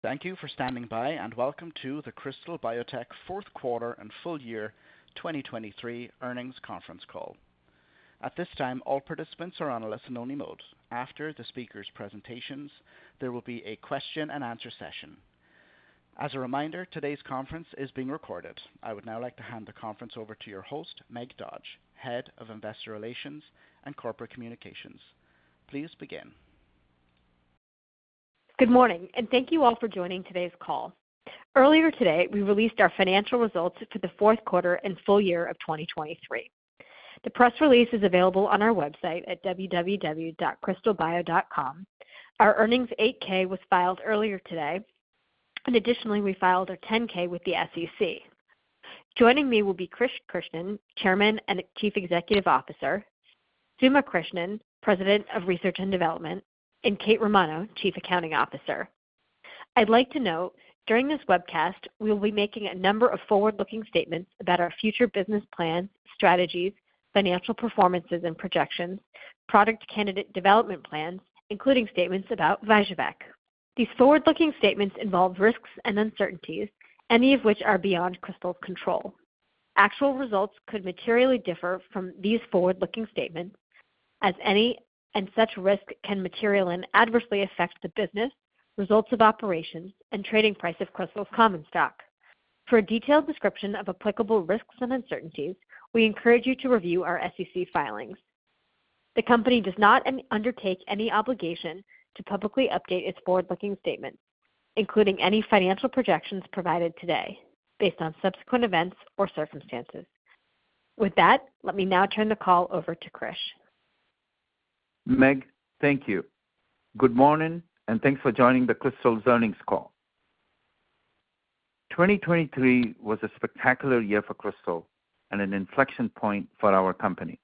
Thank you for standing by, and welcome to the Krystal Biotech fourth quarter and full year 2023 earnings conference call. At this time, all participants are on a listen-only mode. After the speakers' presentations, there will be a question-and-answer session. As a reminder, today's conference is being recorded. I would now like to hand the conference over to your host, Meg Dodge, Head of Investor Relations and Corporate Communications. Please begin. Good morning, and thank you all for joining today's call. Earlier today, we released our financial results for the fourth quarter and full year of 2023. The press release is available on our website at www.krystalbio.com. Our earnings 8-K was filed earlier today, and additionally, we filed our 10-K with the SEC. Joining me will be Krish Krishnan, Chairman and Chief Executive Officer; Suma Krishnan, President of Research and Development; and Kathryn Romano, Chief Accounting Officer. I'd like to note, during this webcast, we will be making a number of forward-looking statements about our future business plans, strategies, financial performances and projections, product candidate development plans, including statements about VYJUVEK. These forward-looking statements involve risks and uncertainties, any of which are beyond Krystal's control. Actual results could materially differ from these forward-looking statements, as any such risks can materially and adversely affect the business, results of operations, and trading price of Krystal's common stock. For a detailed description of applicable risks and uncertainties, we encourage you to review our SEC filings. The company does not undertake any obligation to publicly update its forward-looking statements, including any financial projections provided today based on subsequent events or circumstances. With that, let me now turn the call over to Krish. Meg, thank you. Good morning, and thanks for joining the Krystal's earnings call. 2023 was a spectacular year for Krystal and an inflection point for our company.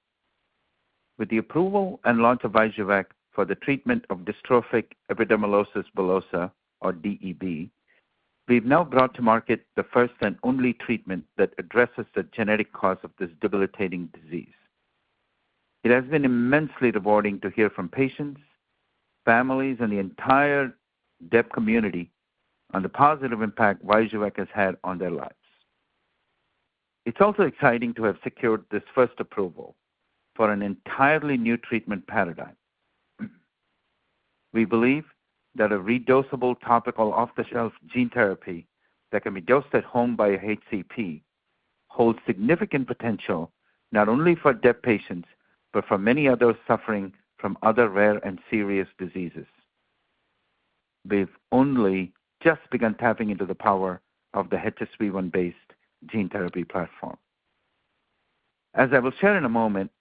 With the approval and launch of VYJUVEK for the treatment of dystrophic epidermolysis bullosa, or DEB, we've now brought to market the first and only treatment that addresses the genetic cause of this debilitating disease. It has been immensely rewarding to hear from patients, families, and the entire DEB community on the positive impact VYJUVEK has had on their lives. It's also exciting to have secured this first approval for an entirely new treatment paradigm. We believe that a redosable topical off-the-shelf gene therapy that can be dosed at home by HCP holds significant potential not only for DEB patients but for many others suffering from other rare and serious diseases. We've only just begun tapping into the power of the HSV-1 based gene therapy platform. As I will share in a moment,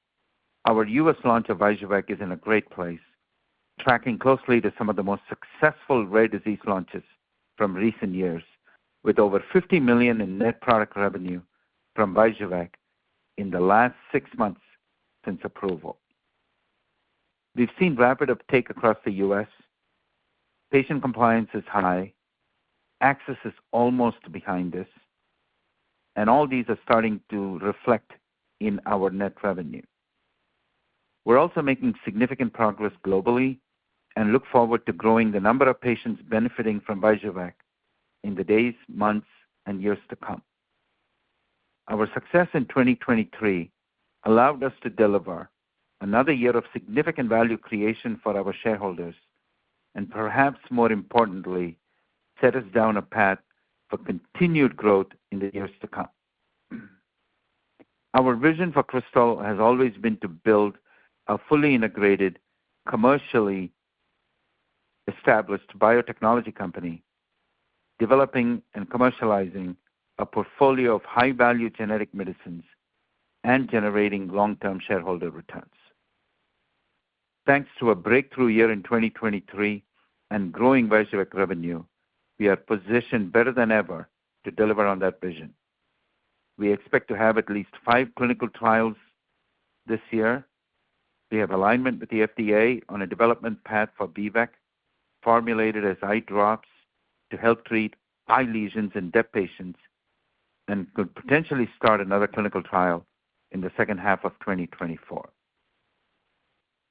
our U.S. launch of VYJUVEK is in a great place, tracking closely to some of the most successful rare disease launches from recent years, with over $50 million in net product revenue from VYJUVEK in the last six months since approval. We've seen rapid uptake across the U.S., patient compliance is high, access is almost behind us, and all these are starting to reflect in our net revenue. We're also making significant progress globally and look forward to growing the number of patients benefiting from VYJUVEK in the days, months, and years to come. Our success in 2023 allowed us to deliver another year of significant value creation for our shareholders and, perhaps more importantly, set us down a path for continued growth in the years to come. Our vision for Krystal has always been to build a fully integrated, commercially established biotechnology company, developing and commercializing a portfolio of high-value genetic medicines and generating long-term shareholder returns. Thanks to a breakthrough year in 2023 and growing VYJUVEK revenue, we are positioned better than ever to deliver on that vision. We expect to have at least five clinical trials this year. We have alignment with the FDA on a development path for VYJUVEK formulated as eye drops to help treat eye lesions in DEB patients and could potentially start another clinical trial in the second half of 2024.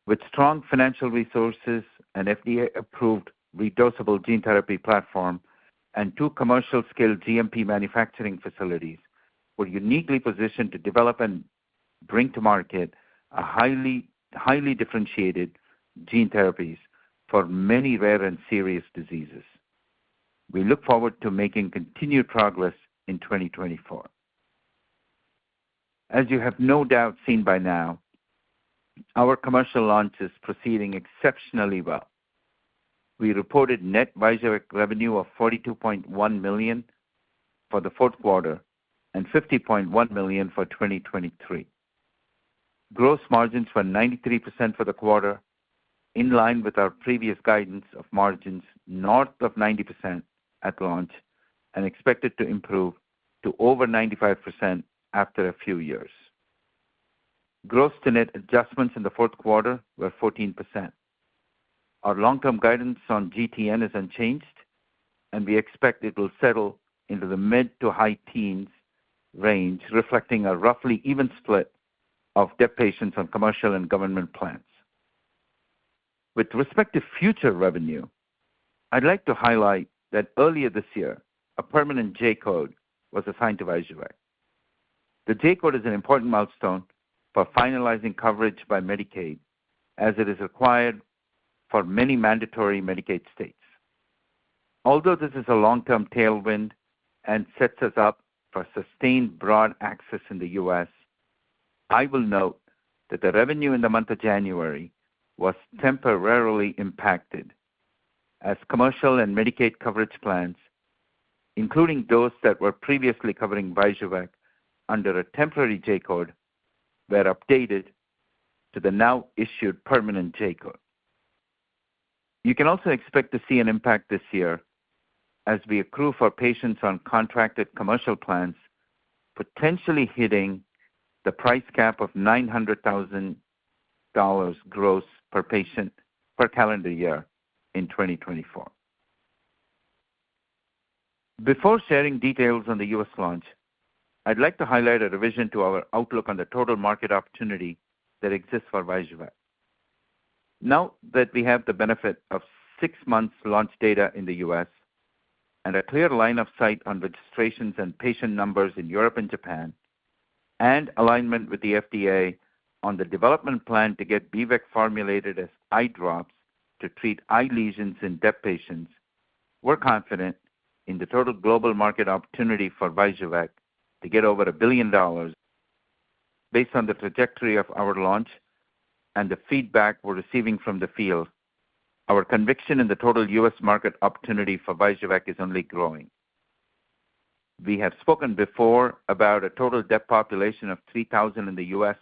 With strong financial resources and FDA-approved redosable gene therapy platform and two commercial-scale GMP manufacturing facilities, we're uniquely positioned to develop and bring to market highly differentiated gene therapies for many rare and serious diseases. We look forward to making continued progress in 2024. As you have no doubt seen by now, our commercial launch is proceeding exceptionally well. We reported net VYJUVEK revenue of $42.1 million for the fourth quarter and $50.1 million for 2023. Gross margins were 93% for the quarter, in line with our previous guidance of margins north of 90% at launch and expected to improve to over 95% after a few years. Gross-to-net adjustments in the fourth quarter were 14%. Our long-term guidance on GTN is unchanged, and we expect it will settle into the mid- to high-teens range, reflecting a roughly even split of DEB patients on commercial and government plans. With respect to future revenue, I'd like to highlight that earlier this year, a permanent J-code was assigned to VYJUVEK. The J-code is an important milestone for finalizing coverage by Medicaid, as it is required for many mandatory Medicaid states. Although this is a long-term tailwind and sets us up for sustained broad access in the U.S., I will note that the revenue in the month of January was temporarily impacted, as commercial and Medicaid coverage plans, including those that were previously covering VYJUVEK under a temporary J-code, were updated to the now-issued permanent J-code. You can also expect to see an impact this year, as we accrue for patients on contracted commercial plans, potentially hitting the price cap of $900,000 gross per patient per calendar year in 2024. Before sharing details on the U.S. launch, I'd like to highlight a revision to our outlook on the total market opportunity that exists for VYJUVEK. Now that we have the benefit of six months' launch data in the U.S. and a clear line of sight on registrations and patient numbers in Europe and Japan, and alignment with the FDA on the development plan to get VYJUVEK formulated as eye drops to treat eye lesions in DEB patients, we're confident in the total global market opportunity for VYJUVEK to get over $1 billion. Based on the trajectory of our launch and the feedback we're receiving from the field, our conviction in the total U.S. market opportunity for VYJUVEK is only growing. We have spoken before about a total DEB population of 3,000 in the U.S.,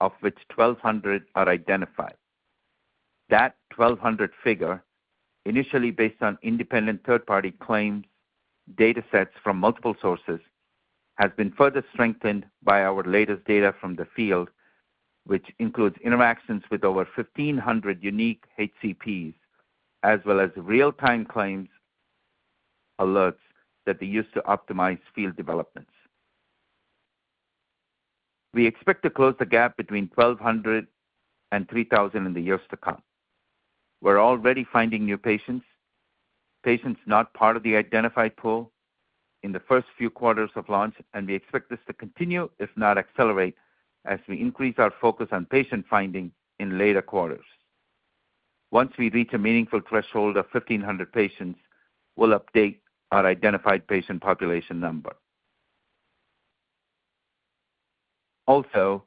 of which 1,200 are identified. That 1,200 figure, initially based on independent third-party claims, datasets from multiple sources, has been further strengthened by our latest data from the field, which includes interactions with over 1,500 unique HCPs, as well as real-time claims alerts that they use to optimize field developments. We expect to close the gap between 1,200 and 3,000 in the years to come. We're already finding new patients, patients not part of the identified pool, in the first few quarters of launch, and we expect this to continue, if not accelerate, as we increase our focus on patient finding in later quarters. Once we reach a meaningful threshold of 1,500 patients, we'll update our identified patient population number. Also,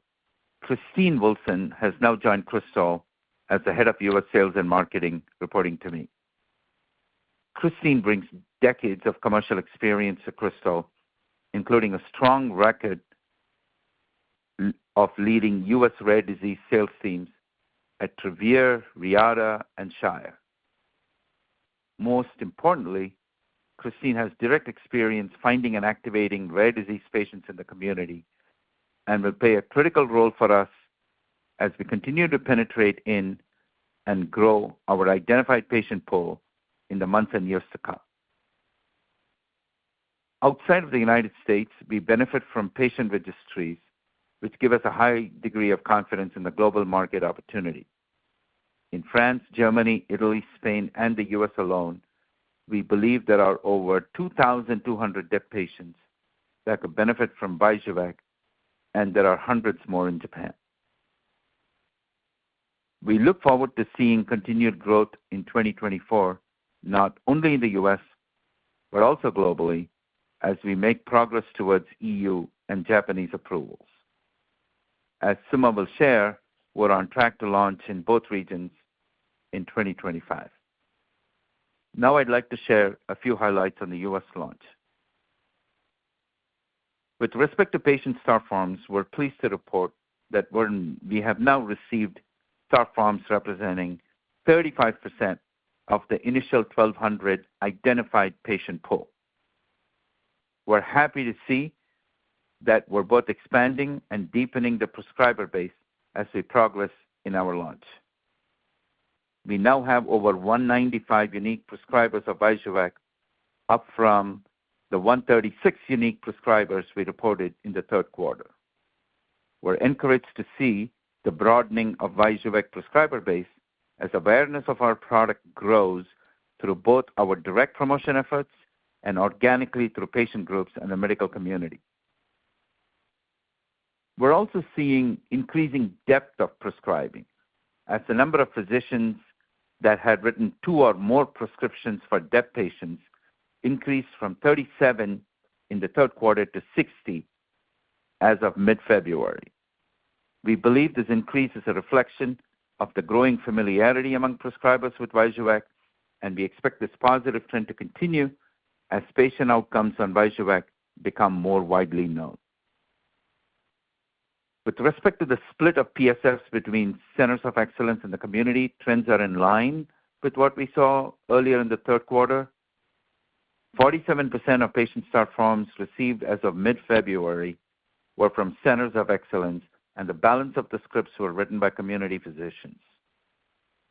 Krishtine Wilson has now joined Krystal as the Head of U.S. Sales and Marketing, reporting to me. Krishtine brings decades of commercial experience to Krystal, including a strong record of leading U.S. rare disease sales teams at Travere, Reata, and Shire. Most importantly, Krishtine has direct experience finding and activating rare disease patients in the community and will play a critical role for us as we continue to penetrate in and grow our identified patient pool in the months and years to come. Outside of the United States, we benefit from patient registries, which give us a high degree of confidence in the global market opportunity. In France, Germany, Italy, Spain, and the U.S. alone, we believe there are over 2,200 DEB patients that could benefit from VYJUVEK and there are hundreds more in Japan. We look forward to seeing continued growth in 2024, not only in the U.S. but also globally, as we make progress towards EU and Japanese approvals. As Suma will share, we're on track to launch in both regions in 2025. Now I'd like to share a few highlights on the US launch. With respect to patient start forms, we're pleased to report that we have now received start forms representing 35% of the initial 1,200 identified patient pool. We're happy to see that we're both expanding and deepening the prescriber base as we progress in our launch. We now have over 195 unique prescribers of VYJUVEK, up from the 136 unique prescribers we reported in the third quarter. We're encouraged to see the broadening of VYJUVEK prescriber base as awareness of our product grows through both our direct promotion efforts and organically through patient groups and the medical community. We're also seeing increasing depth of prescribing, as the number of physicians that had written two or more prescriptions for DEB patients increased from 37 in the third quarter to 60 as of mid-February. We believe this increase is a reflection of the growing familiarity among prescribers with VYJUVEK, and we expect this positive trend to continue as patient outcomes on VYJUVEK become more widely known. With respect to the split of PSFs between centers of excellence in the community, trends are in line with what we saw earlier in the third quarter. 47% of patient start forms received as of mid-February were from centers of excellence, and the balance of the scripts were written by community physicians.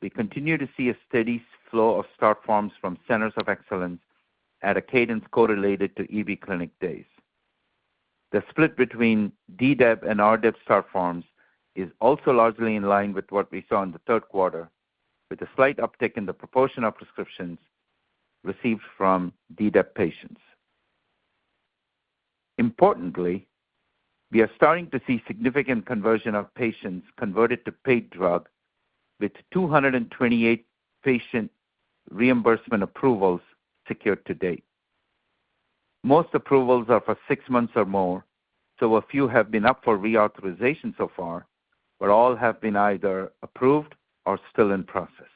We continue to see a steady flow of start forms from centers of excellence at a cadence correlated to EB clinic days. The split between DDEB and RDEB subforms is also largely in line with what we saw in the third quarter, with a slight uptick in the proportion of prescriptions received from DDEB patients. Importantly, we are starting to see significant conversion of patients converted to paid drug, with 228 patient reimbursement approvals secured to date. Most approvals are for six months or more, so a few have been up for reauthorization so far, but all have been either approved or still in process.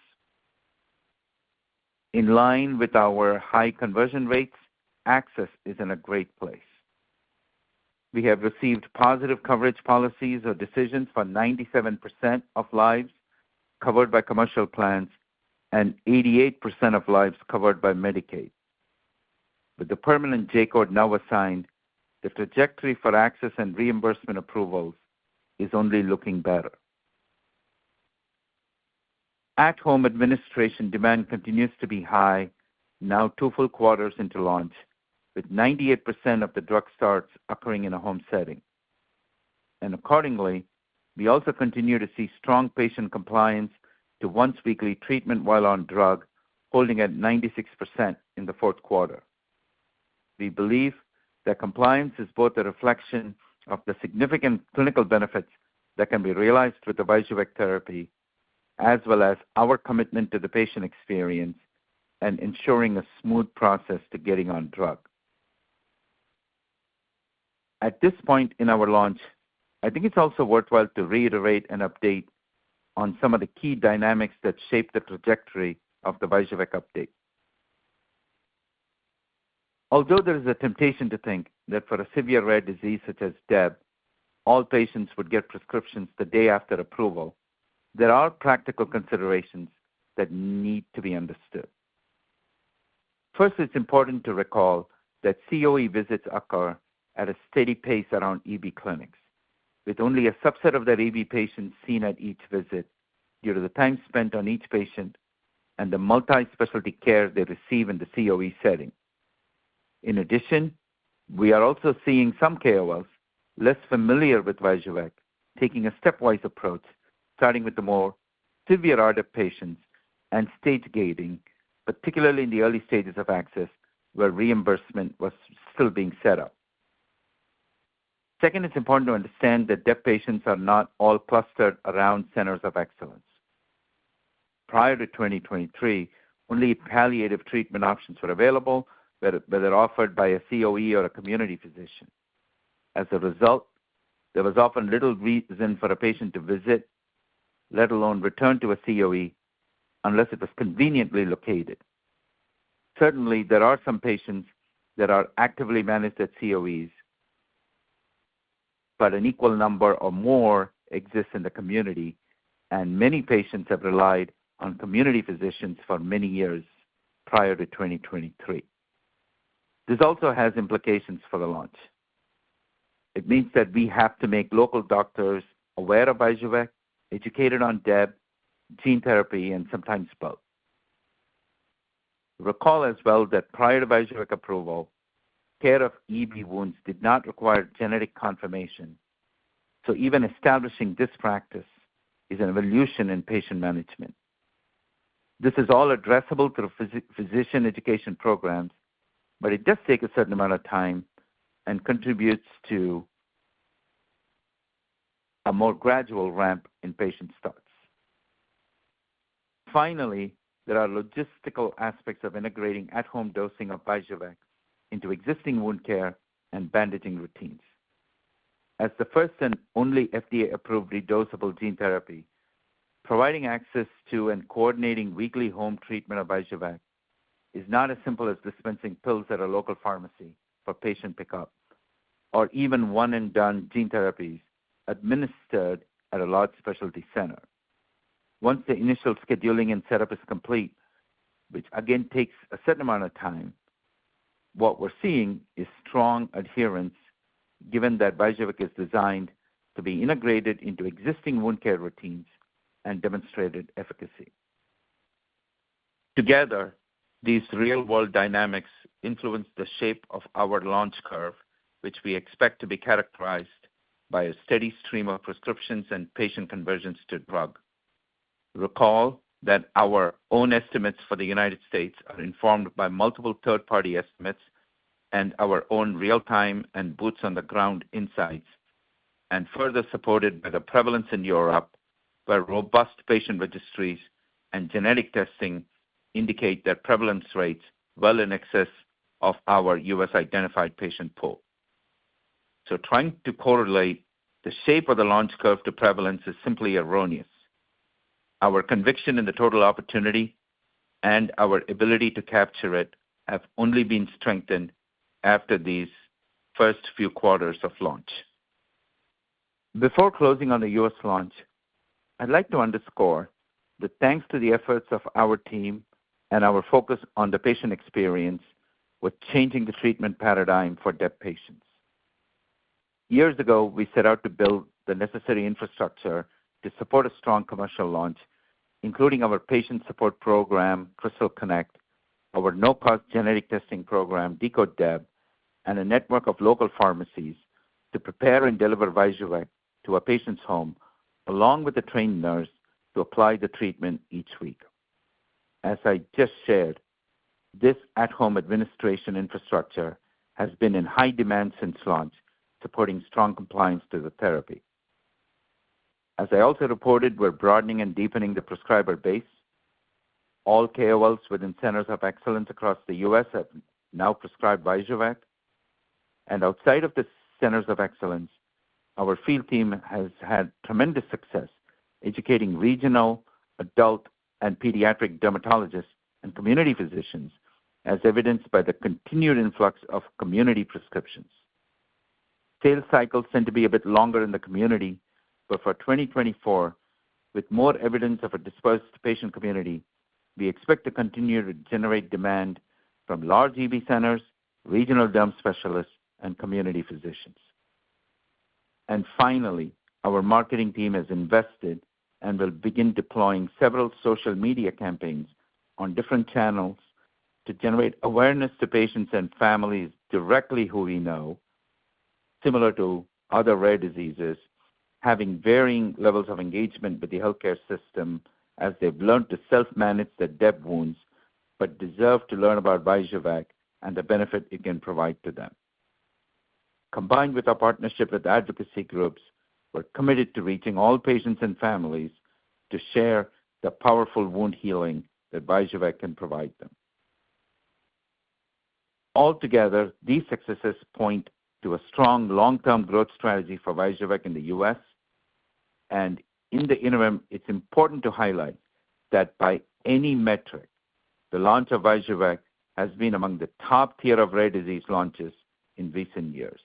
In line with our high conversion rates, access is in a great place. We have received positive coverage policies or decisions for 97% of lives covered by commercial plans and 88% of lives covered by Medicaid. With the permanent J-code now assigned, the trajectory for access and reimbursement approvals is only looking better. At-home administration demand continues to be high, now two full quarters into launch, with 98% of the drug starts occurring in a home setting. Accordingly, we also continue to see strong patient compliance to once-weekly treatment while on drug, holding at 96% in the fourth quarter. We believe that compliance is both a reflection of the significant clinical benefits that can be realized with the VYJUVEK therapy, as well as our commitment to the patient experience and ensuring a smooth process to getting on drug. At this point in our launch, I think it's also worthwhile to reiterate and update on some of the key dynamics that shape the trajectory of the VYJUVEK update. Although there is a temptation to think that for a severe rare disease such as DEB, all patients would get prescriptions the day after approval, there are practical considerations that need to be understood. First, it's important to recall that COE visits occur at a steady pace around EB clinics, with only a subset of their EB patients seen at each visit due to the time spent on each patient and the multi-specialty care they receive in the COE setting. In addition, we are also seeing some KOLs, less familiar with VYJUVEK, taking a stepwise approach, starting with the more severe RDEB patients and stage-gating, particularly in the early stages of access where reimbursement was still being set up. Second, it's important to understand that DEB patients are not all clustered around centers of excellence. Prior to 2023, only palliative treatment options were available, whether offered by a COE or a community physician. As a result, there was often little reason for a patient to visit, let alone return to a COE, unless it was conveniently located. Certainly, there are some patients that are actively managed at COEs, but an equal number or more exist in the community, and many patients have relied on community physicians for many years prior to 2023. This also has implications for the launch. It means that we have to make local doctors aware of VYJUVEK, educated on DEB, gene therapy, and sometimes both. Recall as well that prior to VYJUVEK approval, care of EB wounds did not require genetic confirmation, so even establishing this practice is an evolution in patient management. This is all addressable through physician education programs, but it does take a certain amount of time and contributes to a more gradual ramp in patient starts. Finally, there are logistical aspects of integrating at-home dosing of VYJUVEK into existing wound care and bandaging routines. As the first and only FDA-approved redosable gene therapy, providing access to and coordinating weekly home treatment of VYJUVEK is not as simple as dispensing pills at a local pharmacy for patient pickup, or even one-and-done gene therapies administered at a large specialty center. Once the initial scheduling and setup is complete, which again takes a certain amount of time, what we're seeing is strong adherence, given that VYJUVEK is designed to be integrated into existing wound care routines and demonstrated efficacy. Together, these real-world dynamics influence the shape of our launch curve, which we expect to be characterized by a steady stream of prescriptions and patient conversions to drug. Recall that our own estimates for the United States are informed by multiple third-party estimates and our own real-time and boots-on-the-ground insights, and further supported by the prevalence in Europe, where robust patient registries and genetic testing indicate their prevalence rates well in excess of our U.S.-identified patient pool. So trying to correlate the shape of the launch curve to prevalence is simply erroneous. Our conviction in the total opportunity and our ability to capture it have only been strengthened after these first few quarters of launch. Before closing on the U.S. launch, I'd like to underscore the thanks to the efforts of our team and our focus on the patient experience with changing the treatment paradigm for DEB patients. Years ago, we set out to build the necessary infrastructure to support a strong commercial launch, including our patient support program, Krystal Connect, our no-cost genetic testing program, Decode DEB, and a network of local pharmacies to prepare and deliver VYJUVEK to a patient's home, along with a trained nurse to apply the treatment each week. As I just shared, this at-home administration infrastructure has been in high demand since launch, supporting strong compliance to the therapy. As I also reported, we're broadening and deepening the prescriber base. All KOLs within centers of excellence across the U.S. have now prescribed VYJUVEK. Outside of the centers of excellence, our field team has had tremendous success educating regional, adult, and pediatric dermatologists and community physicians, as evidenced by the continued influx of community prescriptions. Sales cycles tend to be a bit longer in the community, but for 2024, with more evidence of a dispersed patient community, we expect to continue to generate demand from large EB centers, regional derm specialists, and community physicians. Finally, our marketing team has invested and will begin deploying several social media campaigns on different channels to generate awareness to patients and families directly who we know, similar to other rare diseases, having varying levels of engagement with the healthcare system as they've learned to self-manage their DEB wounds but deserve to learn about VYJUVEK and the benefit it can provide to them. Combined with our partnership with advocacy groups, we're committed to reaching all patients and families to share the powerful wound healing that VYJUVEK can provide them. Altogether, these successes point to a strong long-term growth strategy for VYJUVEK in the U.S. In the interim, it's important to highlight that by any metric, the launch of VYJUVEK has been among the top tier of rare disease launches in recent years.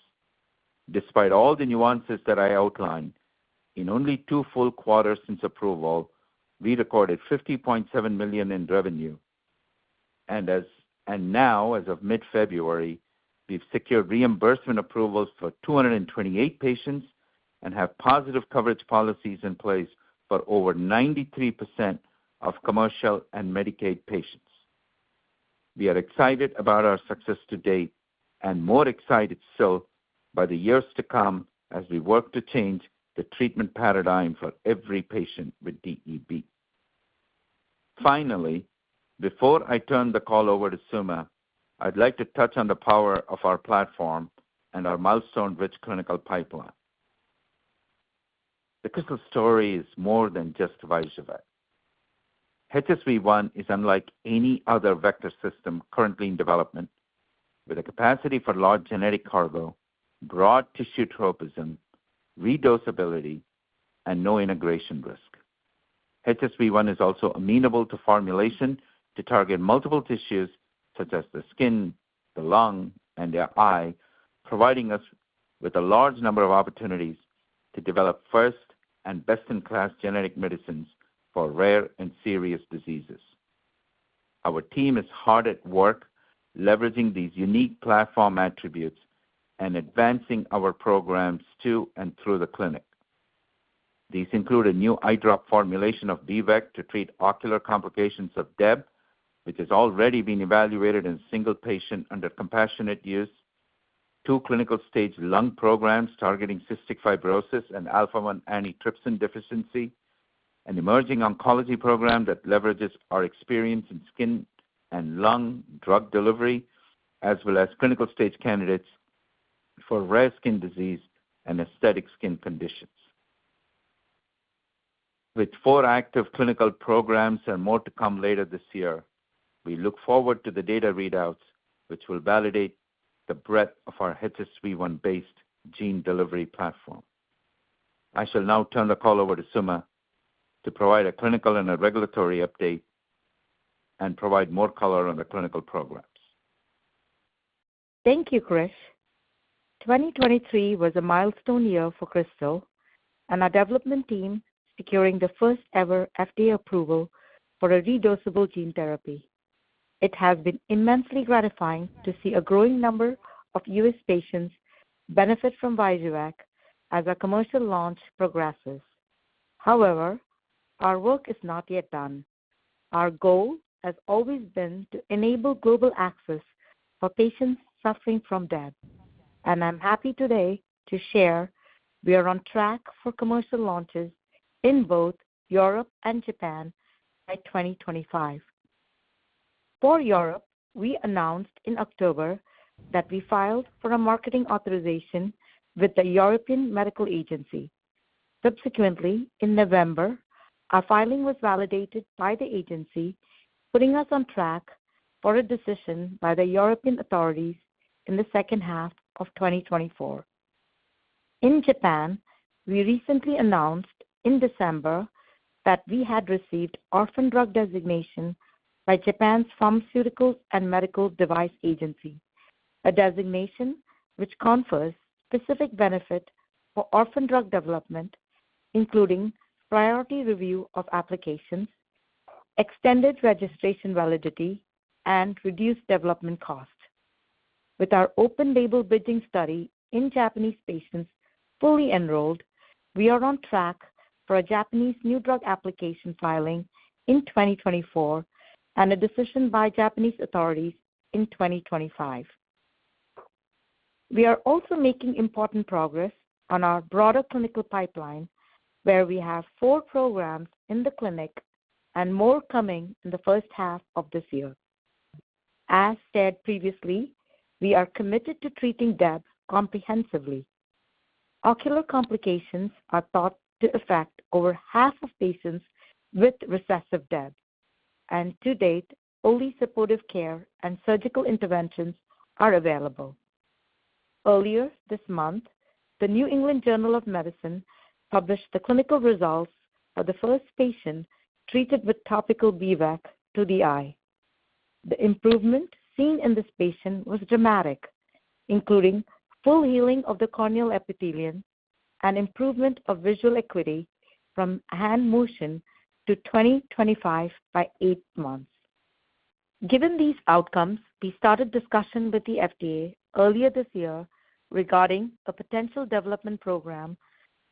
Despite all the nuances that I outlined, in only two full quarters since approval, we recorded $50.7 million in revenue. And now, as of mid-February, we've secured reimbursement approvals for 228 patients and have positive coverage policies in place for over 93% of commercial and Medicaid patients. We are excited about our success to date and more excited so by the years to come as we work to change the treatment paradigm for every patient with DEB. Finally, before I turn the call over to Suma, I'd like to touch on the power of our platform and our milestone-rich clinical pipeline. The Krystal story is more than just VYJUVEK. HSV-1 is unlike any other vector system currently in development, with a capacity for large genetic cargo, broad tissue tropism, redosability, and no integration risk. HSV-1 is also amenable to formulation to target multiple tissues such as the skin, the lung, and the eye, providing us with a large number of opportunities to develop first and best-in-class genetic medicines for rare and serious diseases. Our team is hard at work leveraging these unique platform attributes and advancing our programs to and through the clinic. These include a new eye drop formulation of B-VEC to treat ocular complications of DEB, which has already been evaluated in single patient under compassionate use. Two clinical stage lung programs targeting cystic fibrosis and alpha-1 antitrypsin deficiency. An emerging oncology program that leverages our experience in skin and lung drug delivery, as well as clinical stage candidates for rare skin disease and aesthetic skin conditions. With four active clinical programs and more to come later this year, we look forward to the data readouts, which will validate the breadth of our HSV-1-based gene delivery platform. I shall now turn the call over to Suma to provide a clinical and a regulatory update and provide more color on the clinical programs. Thank you, Krish. 2023 was a milestone year for Krystal and our development team securing the first-ever FDA approval for a redosable gene therapy. It has been immensely gratifying to see a growing number of U.S. patients benefit from VYJUVEK as our commercial launch progresses. However, our work is not yet done. Our goal has always been to enable global access for patients suffering from DEB. I'm happy today to share we are on track for commercial launches in both Europe and Japan by 2025. For Europe, we announced in October that we filed for a marketing authorization with the European Medicines Agency. Subsequently, in November, our filing was validated by the agency, putting us on track for a decision by the European authorities in the second half of 2024. In Japan, we recently announced in December that we had received orphan drug designation by Japan's Pharmaceuticals and Medical Devices Agency, a designation which confers specific benefit for orphan drug development, including priority review of applications, extended registration validity, and reduced development cost. With our open-label bridging study in Japanese patients fully enrolled, we are on track for a Japanese new drug application filing in 2024 and a decision by Japanese authorities in 2025. We are also making important progress on our broader clinical pipeline, where we have four programs in the clinic and more coming in the first half of this year. As said previously, we are committed to treating DEB comprehensively. Ocular complications are thought to affect over half of patients with recessive DEB, and to date, only supportive care and surgical interventions are available. Earlier this month, the New England Journal of Medicine published the clinical results for the first patient treated with topical B-VEC to the eye. The improvement seen in this patient was dramatic, including full healing of the corneal epithelium and improvement of visual acuity from hand motion to 20/25 by eight months. Given these outcomes, we started discussion with the FDA earlier this year regarding a potential development program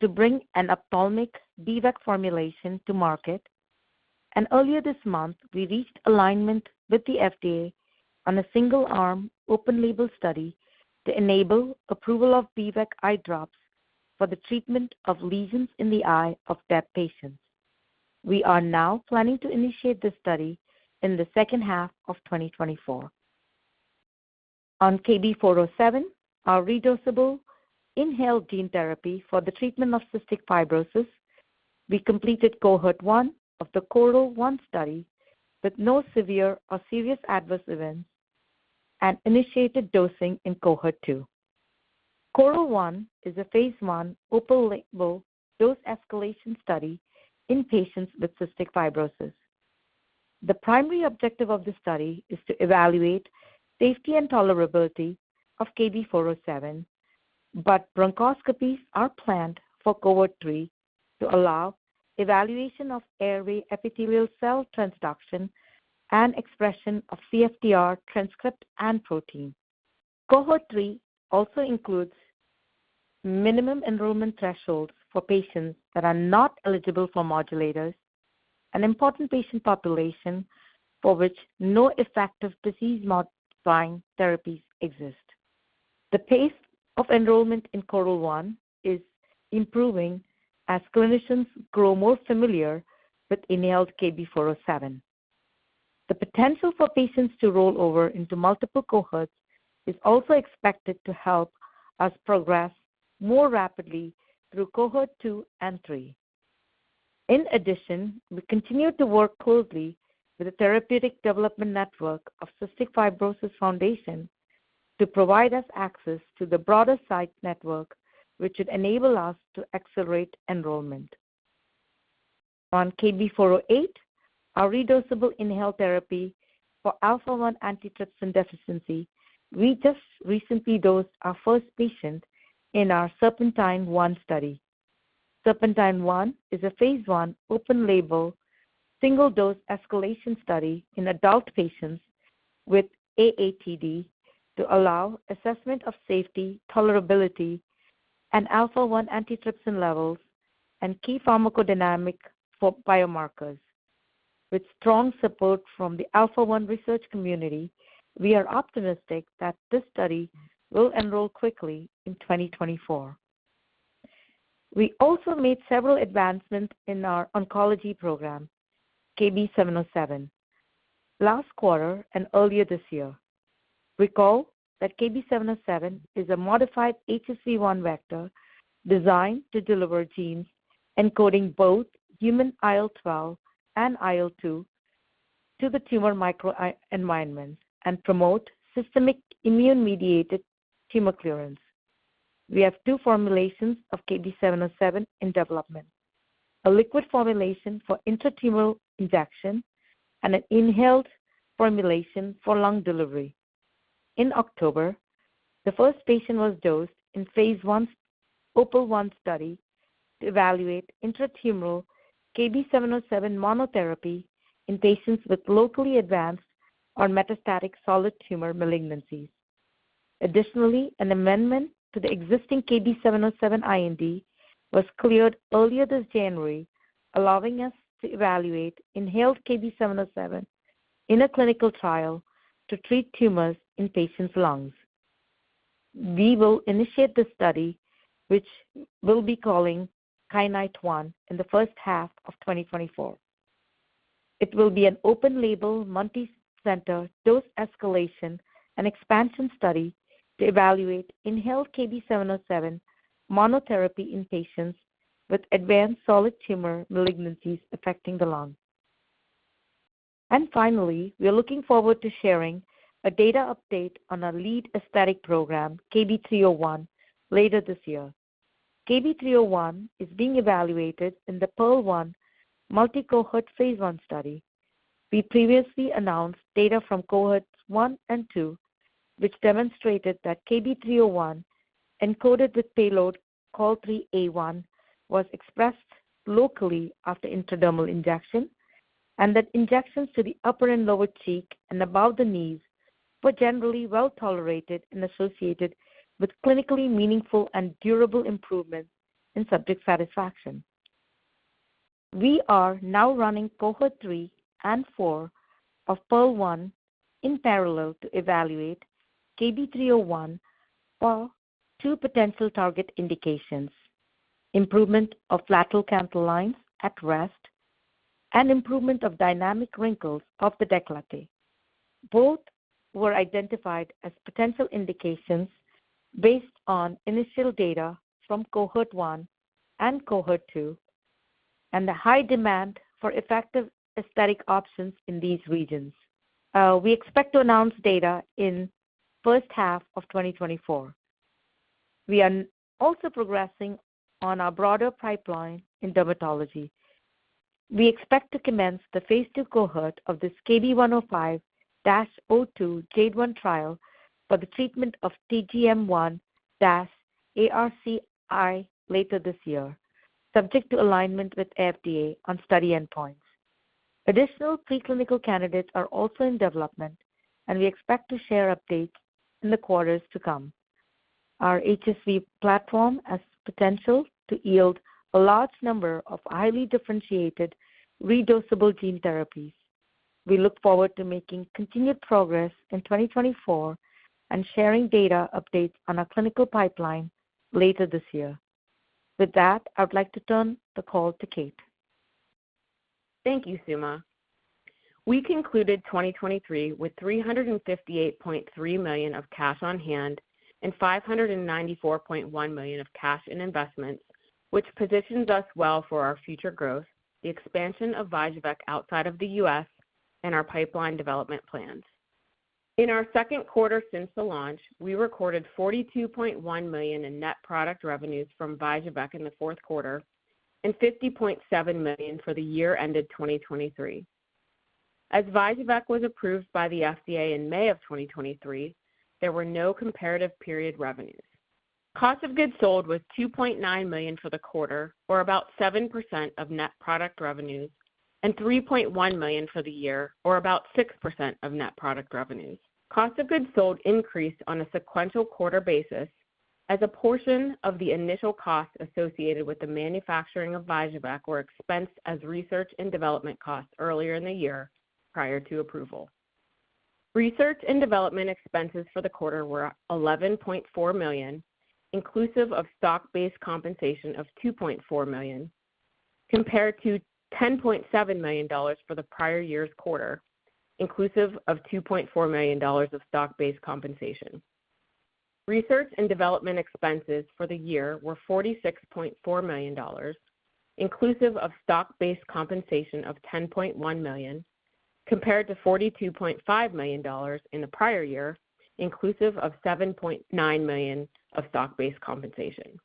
to bring an ophthalmic B-VEC formulation to market. Earlier this month, we reached alignment with the FDA on a single-arm open-label study to enable approval of B-VEC eye drops for the treatment of lesions in the eye of DEB patients. We are now planning to initiate this study in the second half of 2024. On KB-407, our redosable inhaled gene therapy for the treatment of cystic fibrosis, we completed cohort one of the CORAL-1 study with no severe or serious adverse events and initiated dosing in cohort two. CORAL-1 is a phase one open-label dose escalation study in patients with cystic fibrosis. The primary objective of the study is to evaluate safety and tolerability of KB-407, but bronchoscopies are planned for cohort three to allow evaluation of airway epithelial cell transduction and expression of CFTR transcript and protein. Cohort three also includes minimum enrollment thresholds for patients that are not eligible for modulators, an important patient population for which no effective disease-modifying therapies exist. The pace of enrollment in CORAL-1 is improving as clinicians grow more familiar with inhaled KB-407. The potential for patients to roll over into multiple cohorts is also expected to help us progress more rapidly through cohort two and three. In addition, we continue to work closely with the Therapeutic Development Network of Cystic Fibrosis Foundation to provide us access to the broader site network, which would enable us to accelerate enrollment. On KB-408, our redosable inhaled therapy for alpha-1 antitrypsin deficiency, we just recently dosed our first patient in our Serpentine-1 study. Serpentine-1 is a phase 1 open-label single-dose escalation study in adult patients with AATD to allow assessment of safety, tolerability, and alpha-1 antitrypsin levels and key pharmacodynamic biomarkers. With strong support from the alpha-1 research community, we are optimistic that this study will enroll quickly in 2024. We also made several advancements in our oncology program, KB-707, last quarter and earlier this year. Recall that KB-707 is a modified HSV-1 vector designed to deliver genes encoding both human IL-12 and IL-2 to the tumor microenvironment and promote systemic immune-mediated tumor clearance. We have two formulations of KB-707 in development: a liquid formulation for intratumoral injection and an inhaled formulation for lung delivery. In October, the first patient was dosed in phase 1 OPAL-1 study to evaluate intratumoral KB-707 monotherapy in patients with locally advanced or metastatic solid tumor malignancies. Additionally, an amendment to the existing KB-707 IND was cleared earlier this January, allowing us to evaluate inhaled KB-707 in a clinical trial to treat tumors in patients' lungs. We will initiate this study, which we'll be calling KYNITE-1, in the first half of 2024. It will be an open-label multi-center dose escalation and expansion study to evaluate inhaled KB-707 monotherapy in patients with advanced solid tumor malignancies affecting the lungs. And finally, we are looking forward to sharing a data update on our lead aesthetic program, KB-301, later this year. KB-301 is being evaluated in the PEARL-1 multi-cohort phase 1 study. We previously announced data from cohorts 1 and 2, which demonstrated that KB-301 encoded with payload CAL3A1 was expressed locally after intradermal injection and that injections to the upper and lower cheek and above the knees were generally well tolerated and associated with clinically meaningful and durable improvements in subject satisfaction. We are now running cohort 3 and 4 of PEARL-1 in parallel to evaluate KB-301 for two potential target indications: improvement of lateral canthal lines at rest and improvement of dynamic wrinkles of the décolleté. Both were identified as potential indications based on initial data from cohort 1 and cohort 2 and the high demand for effective aesthetic options in these regions. We expect to announce data in the first half of 2024. We are also progressing on our broader pipeline in dermatology. We expect to commence the phase 2 cohort of this KB-105-02 JADE-1 trial for the treatment of TGM1-ARCI later this year, subject to alignment with the FDA on study endpoints. Additional preclinical candidates are also in development, and we expect to share updates in the quarters to come. Our HSV platform has potential to yield a large number of highly differentiated redosable gene therapies. We look forward to making continued progress in 2024 and sharing data updates on our clinical pipeline later this year. With that, I would like to turn the call to Kate. Thank you, Suma. We concluded 2023 with $358.3 million of cash on hand and $594.1 million of cash in investments, which positions us well for our future growth, the expansion of VYJUVEK outside of the U.S., and our pipeline development plans. In our second quarter since the launch, we recorded $42.1 million in net product revenues from VYJUVEK in the fourth quarter and $50.7 million for the year ended 2023. As VYJUVEK was approved by the FDA in May of 2023, there were no comparative period revenues. Cost of goods sold was $2.9 million for the quarter, or about 7% of net product revenues, and $3.1 million for the year, or about 6% of net product revenues. Cost of goods sold increased on a sequential quarter basis as a portion of the initial costs associated with the manufacturing of VYJUVEK were expensed as research and development costs earlier in the year prior to approval. Research and development expenses for the quarter were $11.4 million, inclusive of stock-based compensation of $2.4 million, compared to $10.7 million for the prior year's quarter, inclusive of $2.4 million of stock-based compensation. Research and development expenses for the year were $46.4 million, inclusive of stock-based compensation of $10.1 million, compared to $42.5 million in the prior year, inclusive of $7.9 million of stock-based compensation.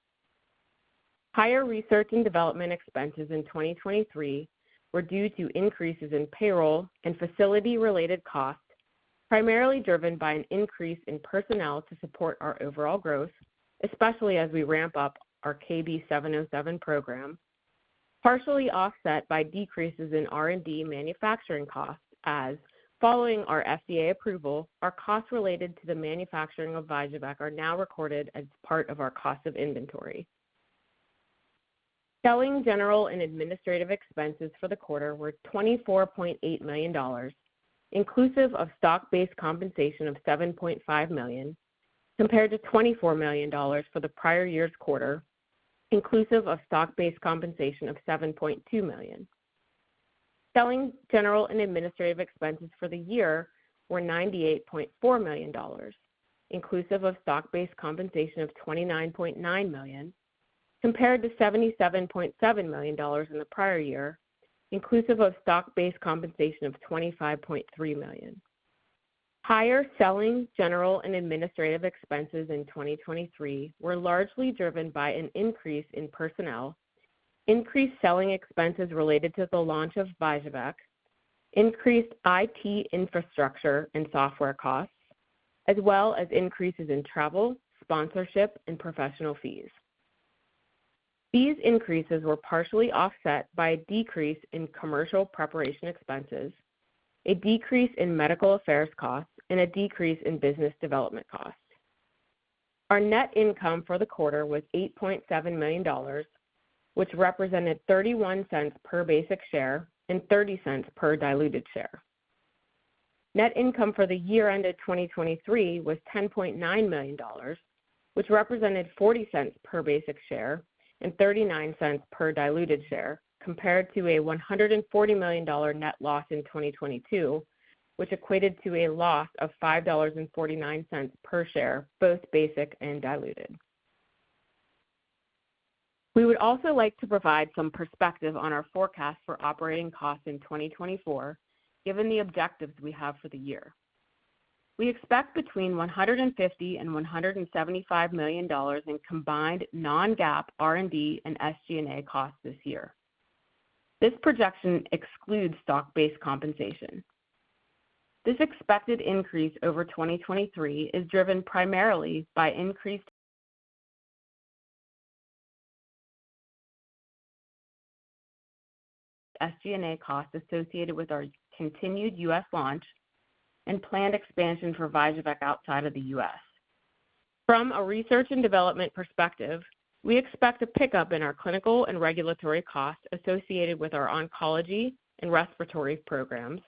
Higher research and development expenses in 2023 were due to increases in payroll and facility-related costs, primarily driven by an increase in personnel to support our overall growth, especially as we ramp up our KB-707 program, partially offset by decreases in R&D manufacturing costs as, following our FDA approval, our costs related to the manufacturing of VYJUVEK are now recorded as part of our cost of inventory. Selling general and administrative expenses for the quarter were $24.8 million, inclusive of stock-based compensation of $7.5 million, compared to $24 million for the prior year's quarter, inclusive of stock-based compensation of $7.2 million. Selling general and administrative expenses for the year were $98.4 million, inclusive of stock-based compensation of $29.9 million, compared to $77.7 million in the prior year, inclusive of stock-based compensation of $25.3 million. Higher selling general and administrative expenses in 2023 were largely driven by an increase in personnel, increased selling expenses related to the launch of VYJUVEK, increased IT infrastructure and software costs, as well as increases in travel, sponsorship, and professional fees. These increases were partially offset by a decrease in commercial preparation expenses, a decrease in medical affairs costs, and a decrease in business development costs. Our net income for the quarter was $8.7 million, which represented $0.31 per basic share and $0.30 per diluted share. Net income for the year ended 2023 was $10.9 million, which represented $0.40 per basic share and $0.39 per diluted share, compared to a $140 million net loss in 2022, which equated to a loss of $5.49 per share, both basic and diluted. We would also like to provide some perspective on our forecast for operating costs in 2024, given the objectives we have for the year. We expect between $150 million-$175 million in combined non-GAAP R&D and SG&A costs this year. This projection excludes stock-based compensation. This expected increase over 2023 is driven primarily by increased SG&A costs associated with our continued U.S. launch and planned expansion for VYJUVEK outside of the U.S. From a research and development perspective, we expect a pickup in our clinical and regulatory costs associated with our oncology and respiratory programs,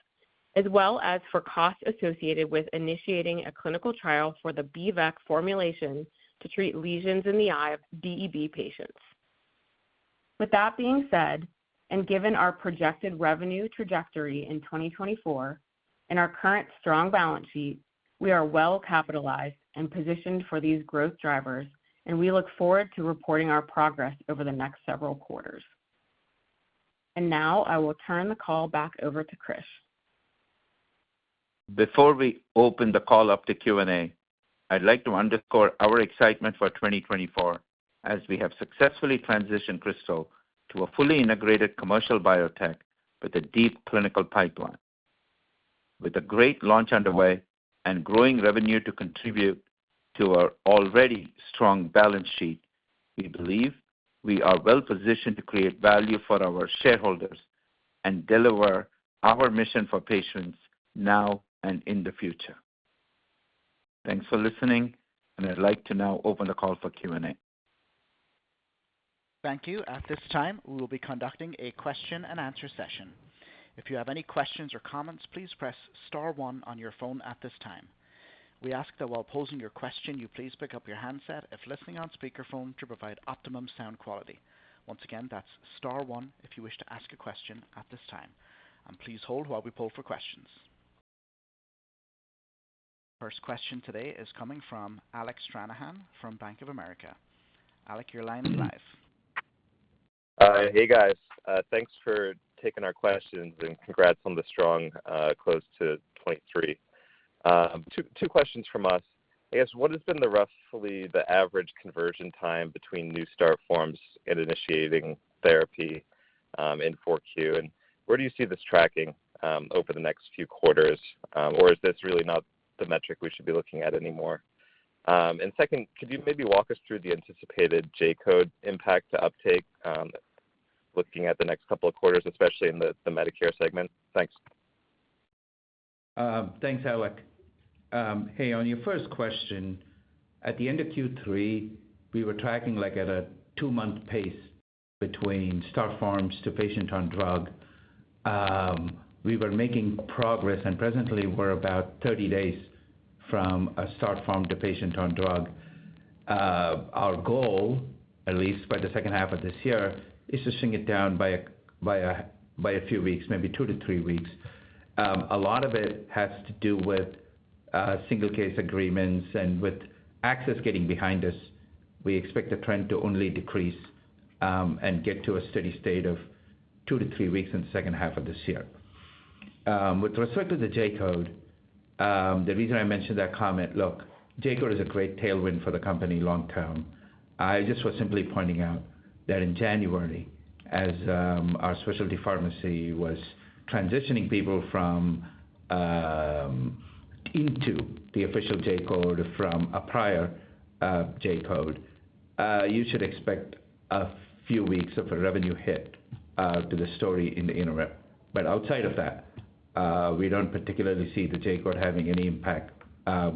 as well as for costs associated with initiating a clinical trial for the B-VEC formulation to treat lesions in the eye of DEB patients. With that being said, and given our projected revenue trajectory in 2024, in our current strong balance sheet, we are well capitalized and positioned for these growth drivers, and we look forward to reporting our progress over the next several quarters. Now I will turn the call back over to Krish. Before we open the call up to Q&A, I'd like to underscore our excitement for 2024 as we have successfully transitioned Krystal to a fully integrated commercial biotech with a deep clinical pipeline. With a great launch underway and growing revenue to contribute to our already strong balance sheet, we believe we are well positioned to create value for our shareholders and deliver our mission for patients now and in the future. Thanks for listening, and I'd like to now open the call for Q&A. Thank you. At this time, we will be conducting a question-and-answer session. If you have any questions or comments, please press star one on your phone at this time. We ask that while posing your question, you please pick up your handset if listening on speakerphone to provide optimum sound quality. Once again, that's star one if you wish to ask a question at this time. And please hold while we pull for questions. First question today is coming from Alec Stranahan from Bank of America. Alec, you're live on live. Hey, guys. Thanks for taking our questions and congrats on the strong close to 2023. Two questions from us. I guess, what has been roughly the average conversion time between new start forms and initiating therapy in 4Q? And where do you see this tracking over the next few quarters, or is this really not the metric we should be looking at anymore? And second, could you maybe walk us through the anticipated J-code impact to uptake, looking at the next couple of quarters, especially in the Medicare segment? Thanks. Thanks, Alec. Hey, on your first question, at the end of Q3, we were tracking at a 2-month pace between start forms to patient-on-drug. We were making progress, and presently, we're about 30 days from a start form to patient-on-drug. Our goal, at least by the second half of this year, is to shrink it down by a few weeks, maybe 2-3 weeks. A lot of it has to do with single-case agreements and with access getting behind us. We expect the trend to only decrease and get to a steady state of 2-3 weeks in the second half of this year. With respect to the J-code, the reason I mentioned that comment, look, J-code is a great tailwind for the company long term. I just was simply pointing out that in January, as our specialty pharmacy was transitioning people into the official J-code from a prior J-code, you should expect a few weeks of a revenue hit to the story in the interim. But outside of that, we don't particularly see the J-code having any impact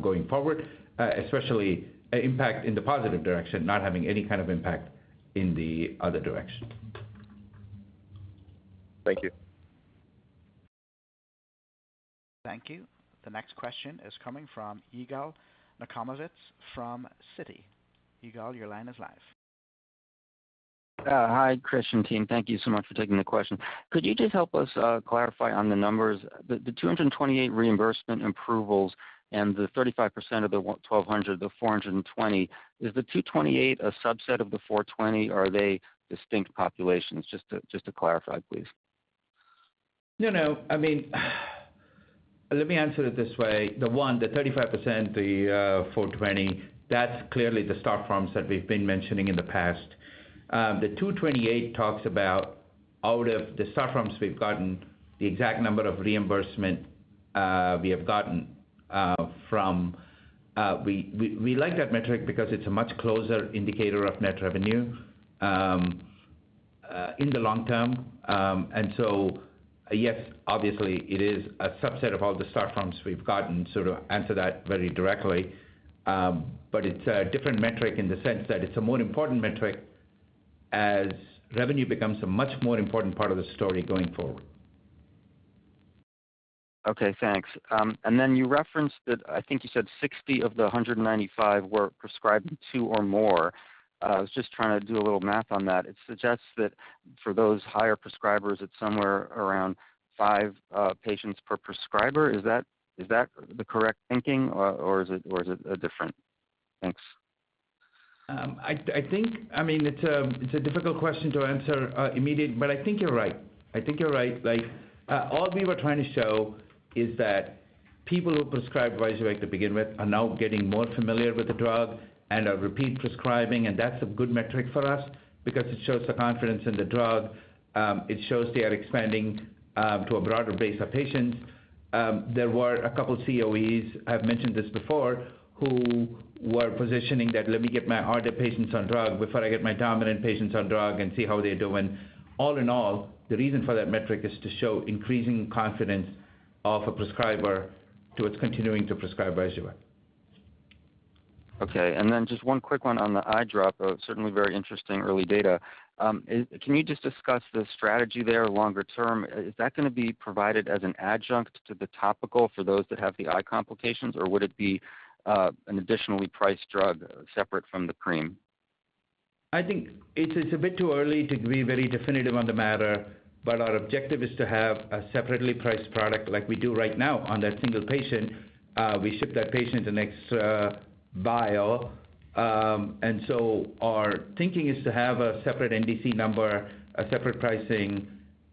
going forward, especially impact in the positive direction, not having any kind of impact in the other direction. Thank you. Thank you. The next question is coming from Yigal Nochomovitz from Citi. Yigal, your line is live. Hi, Krishtine. Thank you so much for taking the question. Could you just help us clarify on the numbers? The 228 reimbursement approvals and the 35% of the 1,200, the 420, is the 228 a subset of the 420, or are they distinct populations? Just to clarify, please. No, no. I mean, let me answer it this way. The 1, the 35%, the 420, that's clearly the start forms that we've been mentioning in the past. The 228 talks about, out of the start forms we've gotten, the exact number of reimbursement we have gotten from we like that metric because it's a much closer indicator of net revenue in the long term. And so, yes, obviously, it is a subset of all the start forms we've gotten, sort of answer that very directly. But it's a different metric in the sense that it's a more important metric as revenue becomes a much more important part of the story going forward. Okay, thanks. And then you referenced that I think you said 60 of the 195 were prescribed to or more. I was just trying to do a little math on that. It suggests that for those higher prescribers, it's somewhere around 5 patients per prescriber. Is that the correct thinking, or is it a different? Thanks. I think, I mean, it's a difficult question to answer immediately, but I think you're right. I think you're right. All we were trying to show is that people who prescribed VYJUVEK to begin with are now getting more familiar with the drug and are repeat prescribing, and that's a good metric for us because it shows the confidence in the drug. It shows they are expanding to a broader base of patients. There were a couple of COEs, I've mentioned this before, who were positioning that, "Let me get my RDEB patients on drug before I get my dominant patients on drug and see how they're doing." All in all, the reason for that metric is to show increasing confidence of a prescriber towards continuing to prescribe VYJUVEK. Okay. And then just one quick one on the eye drop of certainly very interesting early data. Can you just discuss the strategy there longer term? Is that going to be provided as an adjunct to the topical for those that have the eye complications, or would it be an additionally priced drug separate from the cream? I think it's a bit too early to be very definitive on the matter, but our objective is to have a separately priced product like we do right now on that single patient. We ship that patient an extra bio. And so our thinking is to have a separate NDC number, a separate pricing,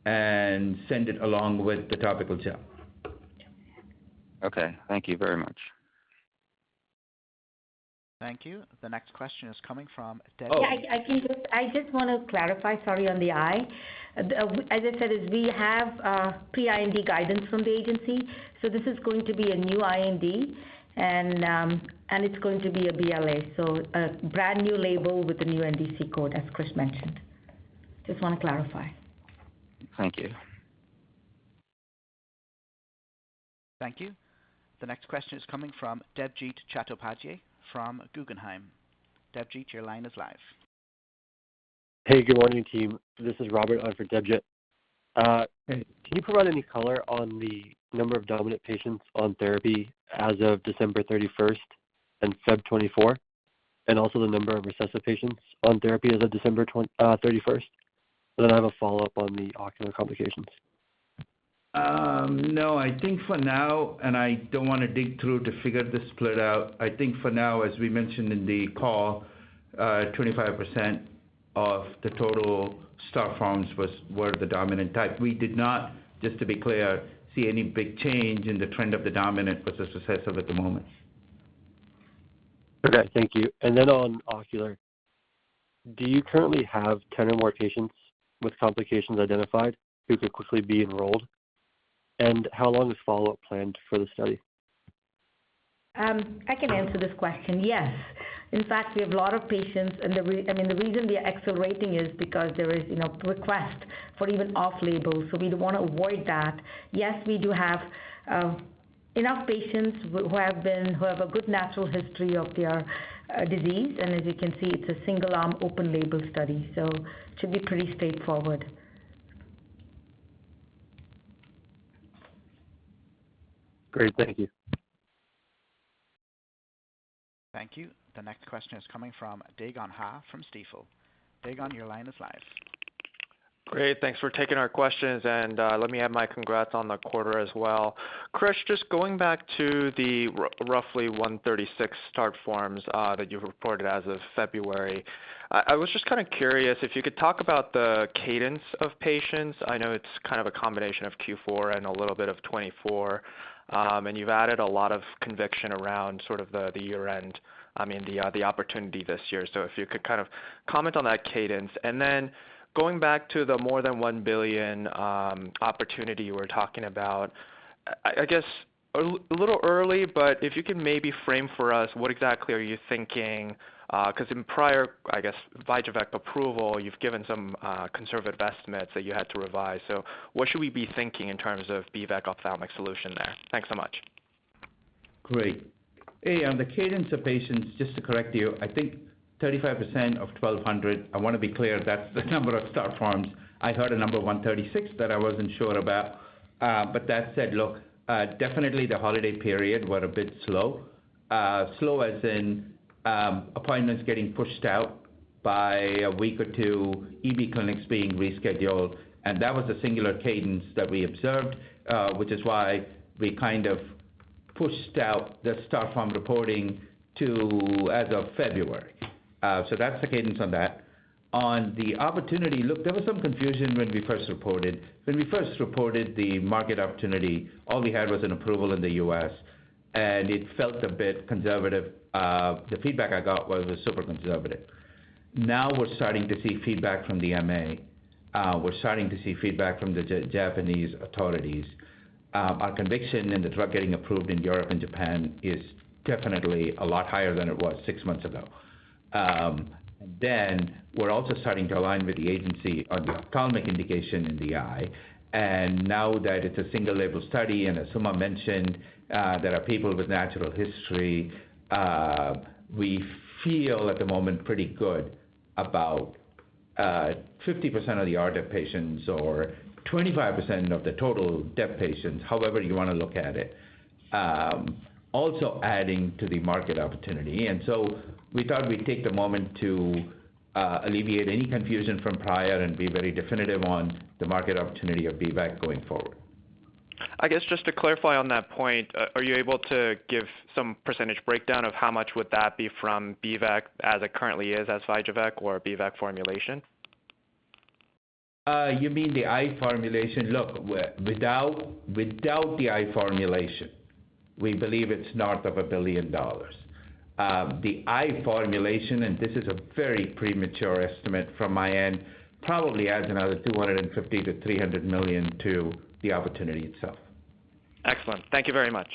and send it along with the topical gel. Okay. Thank you very much. Thank you. The next question is coming from De-. Yeah, I just want to clarify, sorry, on the eye. As I said, we have pre-IND guidance from the agency. So this is going to be a new IND, and it's going to be a BLA, so a brand new label with a new NDC code, as Krish mentioned. Just want to clarify. Thank you. Thank you. The next question is coming from Debjit Chattopadhyay from Guggenheim. Debjit, your line is live. Hey, good morning, team. This is Robert on for Debjit. Can you provide any color on the number of dominant patients on therapy as of December 31st and February 24, 2024, and also the number of recessive patients on therapy as of December 31st? And then I have a follow-up on the ocular complications. No, I think for now, and I don't want to dig through to figure this split out, I think for now, as we mentioned in the call, 25% of the total start forms were the dominant type. We did not, just to be clear, see any big change in the trend of the dominant versus recessive at the moment. Okay. Thank you. And then on ocular, do you currently have 10 or more patients with complications identified who could quickly be enrolled? And how long is follow-up planned for the study? I can answer this question. Yes. In fact, we have a lot of patients, and I mean, the reason we are accelerating is because there is request for even off-label, so we want to avoid that. Yes, we do have enough patients who have a good natural history of their disease. As you can see, it's a single-arm, open-label study, so it should be pretty straightforward. Great. Thank you. Thank you. The next question is coming from Dae Gon Ha from Stifel. Dagon, your line is live. Great. Thanks for taking our questions, and let me have my congrats on the quarter as well. Krish, just going back to the roughly 136 start forms that you've reported as of February, I was just kind of curious if you could talk about the cadence of patients. I know it's kind of a combination of Q4 and a little bit of 2024, and you've added a lot of conviction around sort of the year-end, I mean, the opportunity this year. So if you could kind of comment on that cadence. And then going back to the more than $1 billion opportunity you were talking about, I guess a little early, but if you can maybe frame for us what exactly are you thinking because in prior, I guess, VYJUVEK approval, you've given some conservative estimates that you had to revise. What should we be thinking in terms of B-VEC ophthalmic solution there? Thanks so much. Great. Hey, on the cadence of patients, just to correct you, I think 35% of 1,200. I want to be clear, that's the number of start forms. I heard a number of 136 that I wasn't sure about. But that said, look, definitely, the holiday period were a bit slow, slow as in appointments getting pushed out by a week or two, EB clinics being rescheduled. And that was a singular cadence that we observed, which is why we kind of pushed out the start form reporting as of February. So that's the cadence on that. On the opportunity, look, there was some confusion when we first reported. When we first reported the market opportunity, all we had was an approval in the U.S., and it felt a bit conservative. The feedback I got was super conservative. Now we're starting to see feedback from the MA. We're starting to see feedback from the Japanese authorities. Our conviction in the drug getting approved in Europe and Japan is definitely a lot higher than it was six months ago. Then we're also starting to align with the agency on the ophthalmic indication in the eye. Now that it's a single-label study, and as Suma mentioned, there are people with natural history, we feel at the moment pretty good about 50% of the RDEB patients or 25% of the total DEB patients, however you want to look at it, also adding to the market opportunity. So we thought we'd take the moment to alleviate any confusion from prior and be very definitive on the market opportunity of B-VEC going forward. I guess just to clarify on that point, are you able to give some percentage breakdown of how much would that be from B-VEC as it currently is as VYJUVEK or B-VEC formulation? You mean the eye formulation? Look, without the eye formulation, we believe it's north of $1 billion. The eye formulation, and this is a very premature estimate from my end, probably adds another $250 million-$300 million to the opportunity itself. Excellent. Thank you very much.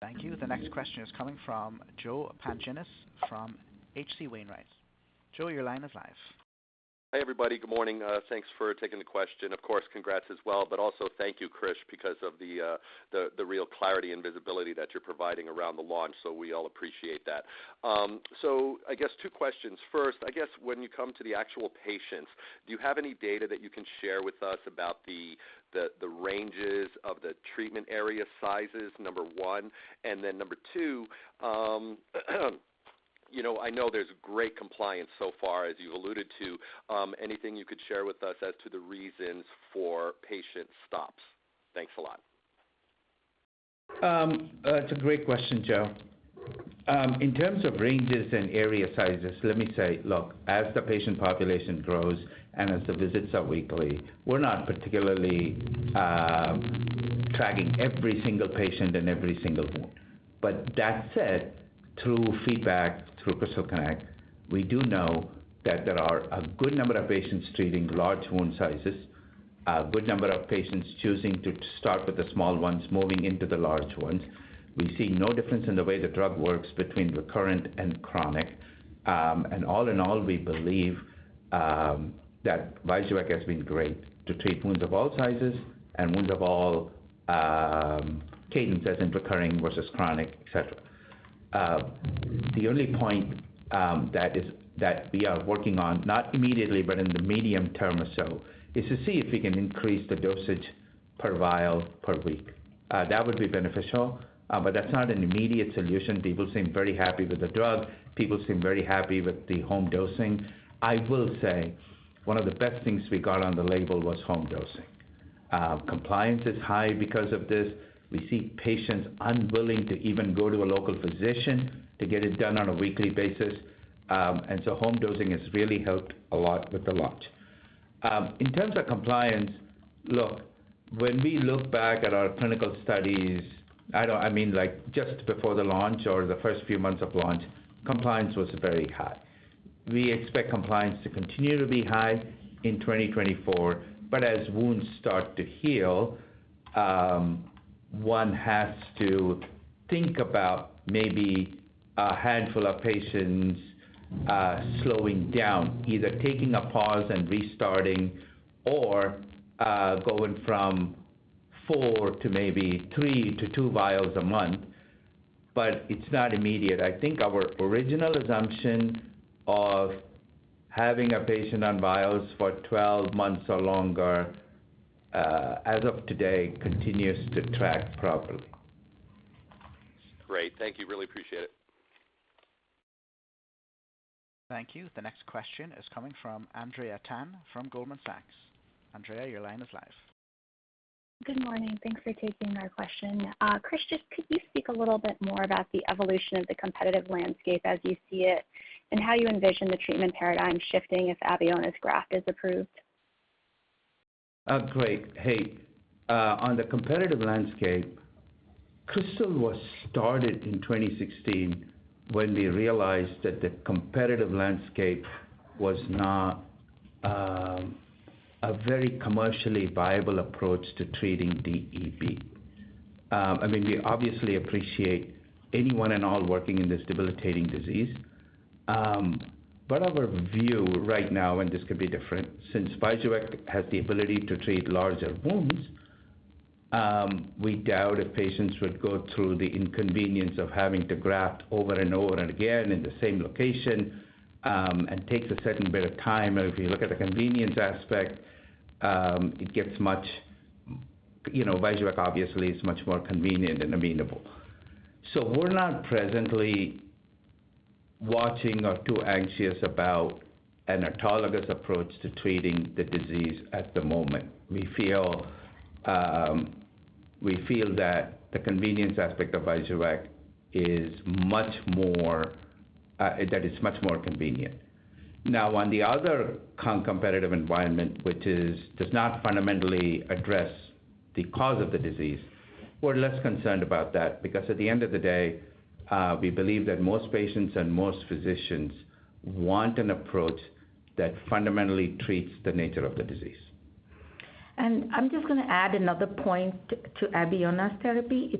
Thank you. The next question is coming from Joe Pantginis from H.C. Wainwright. Joe, your line is live. Hi, everybody. Good morning. Thanks for taking the question. Of course, congrats as well, but also thank you, Krish, because of the real clarity and visibility that you're providing around the launch, so we all appreciate that. I guess two questions. First, I guess when you come to the actual patients, do you have any data that you can share with us about the ranges of the treatment area sizes, number one, and then number two, I know there's great compliance so far, as you've alluded to. Anything you could share with us as to the reasons for patient stops? Thanks a lot. It's a great question, Joe. In terms of ranges and area sizes, let me say, look, as the patient population grows and as the visits are weekly, we're not particularly tracking every single patient and every single wound. But that said, through feedback through Krystal Connect, we do know that there are a good number of patients treating large wound sizes, a good number of patients choosing to start with the small ones moving into the large ones. We see no difference in the way the drug works between recurrent and chronic. And all in all, we believe that VYJUVEK has been great to treat wounds of all sizes and wounds of all cadences, as in recurring versus chronic, etc. The only point that we are working on, not immediately, but in the medium term or so, is to see if we can increase the dosage per vial per week. That would be beneficial, but that's not an immediate solution. People seem very happy with the drug. People seem very happy with the home dosing. I will say one of the best things we got on the label was home dosing. Compliance is high because of this. We see patients unwilling to even go to a local physician to get it done on a weekly basis. And so home dosing has really helped a lot with the launch. In terms of compliance, look, when we look back at our clinical studies, I mean, just before the launch or the first few months of launch, compliance was very high. We expect compliance to continue to be high in 2024, but as wounds start to heal, one has to think about maybe a handful of patients slowing down, either taking a pause and restarting or going from 4 to maybe 3 to 2 vials a month. But it's not immediate. I think our original assumption of having a patient on vials for 12 months or longer as of today continues to track properly. Great. Thank you. Really appreciate it. Thank you. The next question is coming from Andrea Tan from Goldman Sachs. Andrea, your line is live. Good morning. Thanks for taking our question. Krish, just could you speak a little bit more about the evolution of the competitive landscape as you see it and how you envision the treatment paradigm shifting if Abeona's graft is approved? Great. Hey, on the competitive landscape, Krystal was started in 2016 when we realized that the competitive landscape was not a very commercially viable approach to treating DEB. I mean, we obviously appreciate anyone and all working in this debilitating disease, but our view right now, and this could be different, since VYJUVEK has the ability to treat larger wounds, we doubt if patients would go through the inconvenience of having to graft over and over and again in the same location and takes a certain bit of time. And if you look at the convenience aspect, it gets much VYJUVEK, obviously, is much more convenient and amenable. So we're not presently watching or too anxious about an autologous approach to treating the disease at the moment. We feel that the convenience aspect of VYJUVEK is much more that it's much more convenient. Now, on the other competitive environment, which does not fundamentally address the cause of the disease, we're less concerned about that because at the end of the day, we believe that most patients and most physicians want an approach that fundamentally treats the nature of the disease. I'm just going to add another point to Abeona's therapy.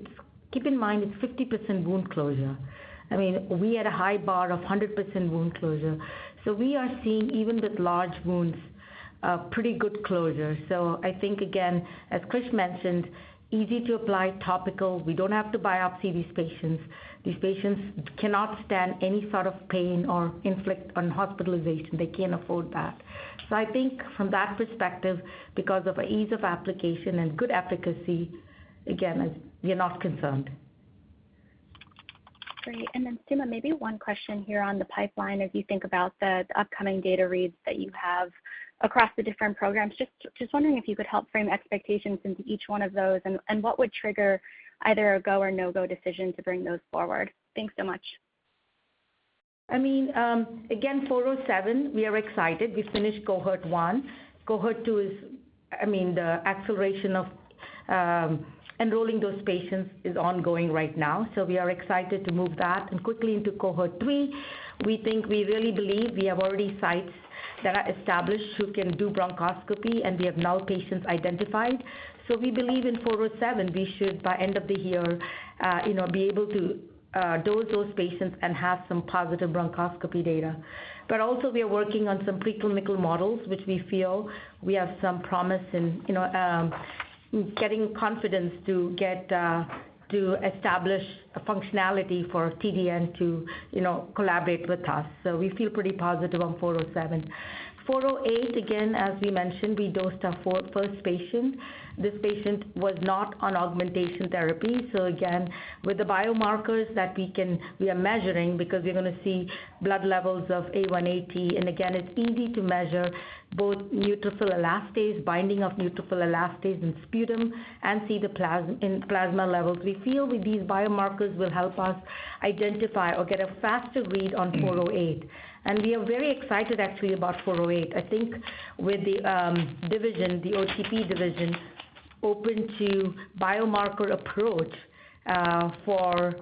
Keep in mind, it's 50% wound closure. I mean, we had a high bar of 100% wound closure. So we are seeing, even with large wounds, pretty good closure. So I think, again, as Krish mentioned, easy to apply, topical. We don't have to biopsy these patients. These patients cannot stand any sort of pain or infection or hospitalization. They can't afford that. So I think from that perspective, because of ease of application and good efficacy, again, we're not concerned. Great. And then Suma, maybe one question here on the pipeline as you think about the upcoming data reads that you have across the different programs. Just wondering if you could help frame expectations into each one of those and what would trigger either a go or no-go decision to bring those forward. Thanks so much. I mean, again, 407, we are excited. We finished Cohort 1. Cohort 2 is, I mean, the acceleration of enrolling those patients is ongoing right now, so we are excited to move that and quickly into Cohort 3. We think we really believe we have already sites that are established who can do bronchoscopy, and we have now patients identified. So we believe in 407, we should, by end of the year, be able to dose those patients and have some positive bronchoscopy data. But also, we are working on some preclinical models, which we feel we have some promise in getting confidence to establish functionality for TDN to collaborate with us. So we feel pretty positive on 407. 408, again, as we mentioned, we dosed our first patient. This patient was not on augmentation therapy. So again, with the biomarkers that we are measuring, because we're going to see blood levels of A180, and again, it's easy to measure both neutrophil elastase, binding of neutrophil elastase in sputum, and see the plasma levels. We feel these biomarkers will help us identify or get a faster read on 408. And we are very excited, actually, about 408. I think with the division, the OTP division, open to biomarker approach for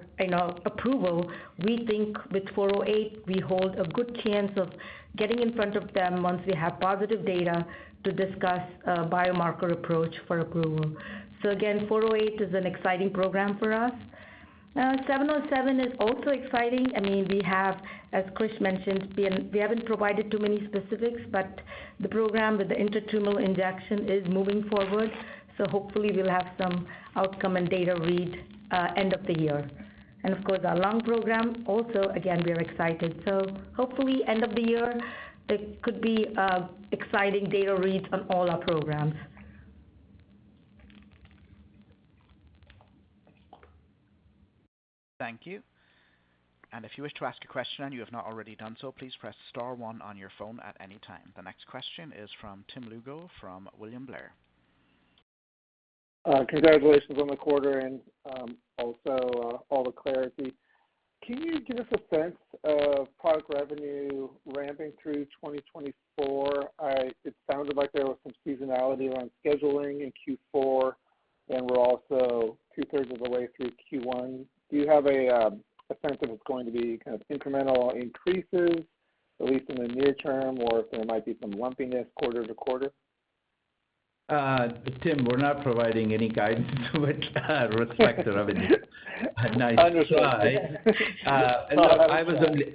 approval, we think with 408, we hold a good chance of getting in front of them once we have positive data to discuss a biomarker approach for approval. So again, 408 is an exciting program for us. 707 is also exciting. I mean, we have, as Krish mentioned, we haven't provided too many specifics, but the program with the intratumoral injection is moving forward. Hopefully, we'll have some outcome and data read end of the year. Of course, our lung program also, again, we are excited. Hopefully, end of the year, there could be exciting data reads on all our programs. Thank you. And if you wish to ask a question and you have not already done so, please press star one on your phone at any time. The next question is from Tim Lugo from William Blair. Congratulations on the quarter and also all the clarity. Can you give us a sense of product revenue ramping through 2024? It sounded like there was some seasonality around scheduling in Q4, and we're also two-thirds of the way through Q1. Do you have a sense if it's going to be kind of incremental increases, at least in the near term, or if there might be some lumpiness quarter to quarter? Tim, we're not providing any guidance with respect to the revenue. A nice try. Understood. Look, I was only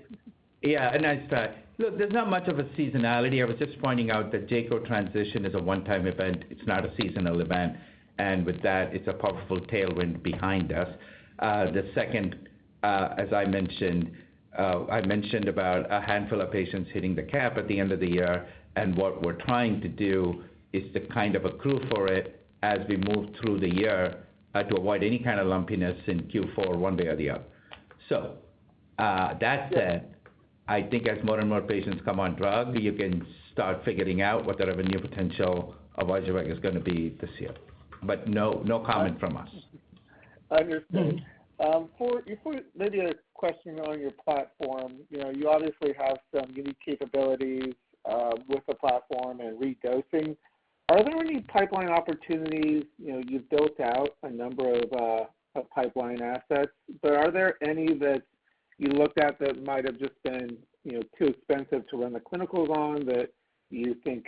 yeah, a nice try. Look, there's not much of a seasonality. I was just pointing out that J-code transition is a one-time event. It's not a seasonal event. And with that, it's a powerful tailwind behind us. The second, as I mentioned about a handful of patients hitting the cap at the end of the year, and what we're trying to do is to kind of accrue for it as we move through the year to avoid any kind of lumpiness in Q4 one way or the other. So that said, I think as more and more patients come on drug, you can start figuring out what the revenue potential of VYJUVEK is going to be this year. But no comment from us. Understood. Maybe a question on your platform. You obviously have some unique capabilities with the platform and redosing. Are there any pipeline opportunities? You've built out a number of pipeline assets, but are there any that you looked at that might have just been too expensive to run the clinicals on that you think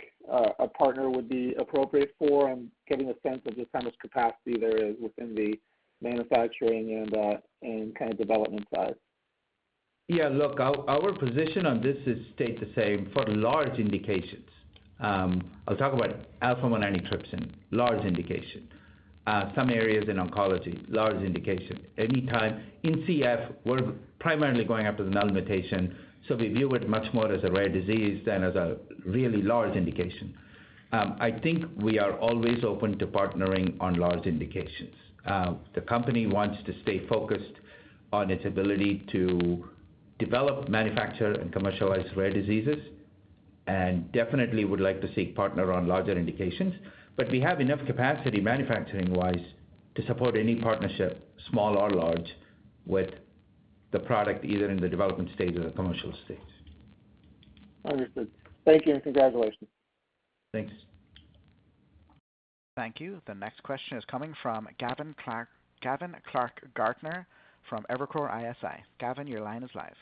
a partner would be appropriate for? I'm getting a sense of just how much capacity there is within the manufacturing and kind of development side. Yeah. Look, our position on this is stayed the same for large indications. I'll talk about alpha-1 antitrypsin, large indication. Some areas in oncology, large indication. In CF, we're primarily going after an augmentation, so we view it much more as a rare disease than as a really large indication. I think we are always open to partnering on large indications. The company wants to stay focused on its ability to develop, manufacture, and commercialize rare diseases and definitely would like to seek partner on larger indications. But we have enough capacity manufacturing-wise to support any partnership, small or large, with the product either in the development stage or the commercial stage. Understood. Thank you and congratulations. Thanks. Thank you. The next question is coming from Gavin Clark-Gartner from Evercore ISI. Gavin, your line is live.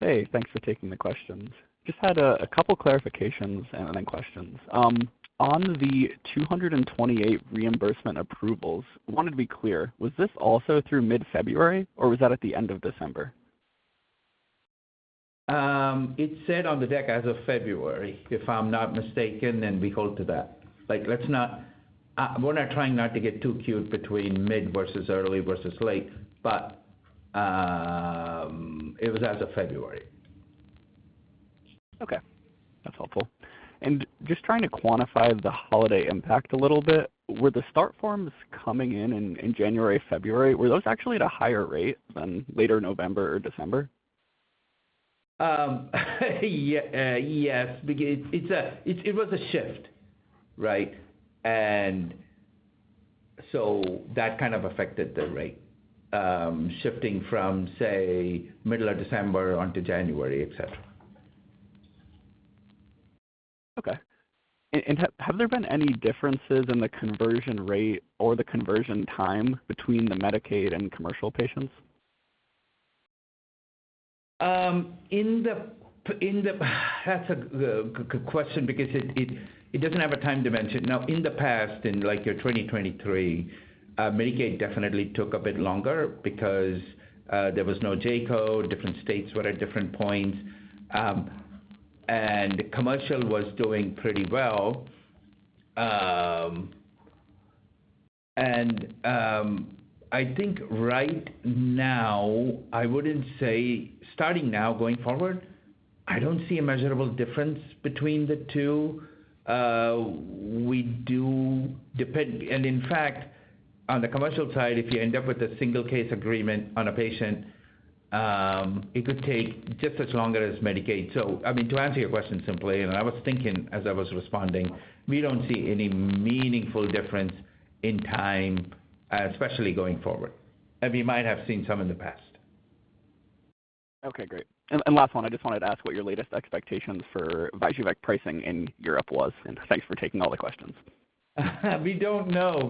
Hey. Thanks for taking the questions. Just had a couple of clarifications and then questions. On the 228 reimbursement approvals, I wanted to be clear. Was this also through mid-February, or was that at the end of December? It said on the deck as of February, if I'm not mistaken, and we hold to that. We're not trying not to get too cute between mid versus early versus late, but it was as of February. Okay. That's helpful. Just trying to quantify the holiday impact a little bit, were the start forms coming in in January, February? Were those actually at a higher rate than later November or December? Yes. It was a shift, right? And so that kind of affected the rate, shifting from, say, middle of December onto January, etc. Okay. Have there been any differences in the conversion rate or the conversion time between the Medicaid and commercial patients? That's a good question because it doesn't have a time dimension. Now, in the past, in your 2023, Medicaid definitely took a bit longer because there was no J-code. Different states were at different points, and commercial was doing pretty well. And I think right now, I wouldn't say starting now, going forward, I don't see a measurable difference between the two. And in fact, on the commercial side, if you end up with a single case agreement on a patient, it could take just as long as Medicaid. So I mean, to answer your question simply, and I was thinking as I was responding, we don't see any meaningful difference in time, especially going forward. And we might have seen some in the past. Okay. Great. And last one, I just wanted to ask what your latest expectations for VYJUVEK pricing in Europe was? And thanks for taking all the questions. We don't know.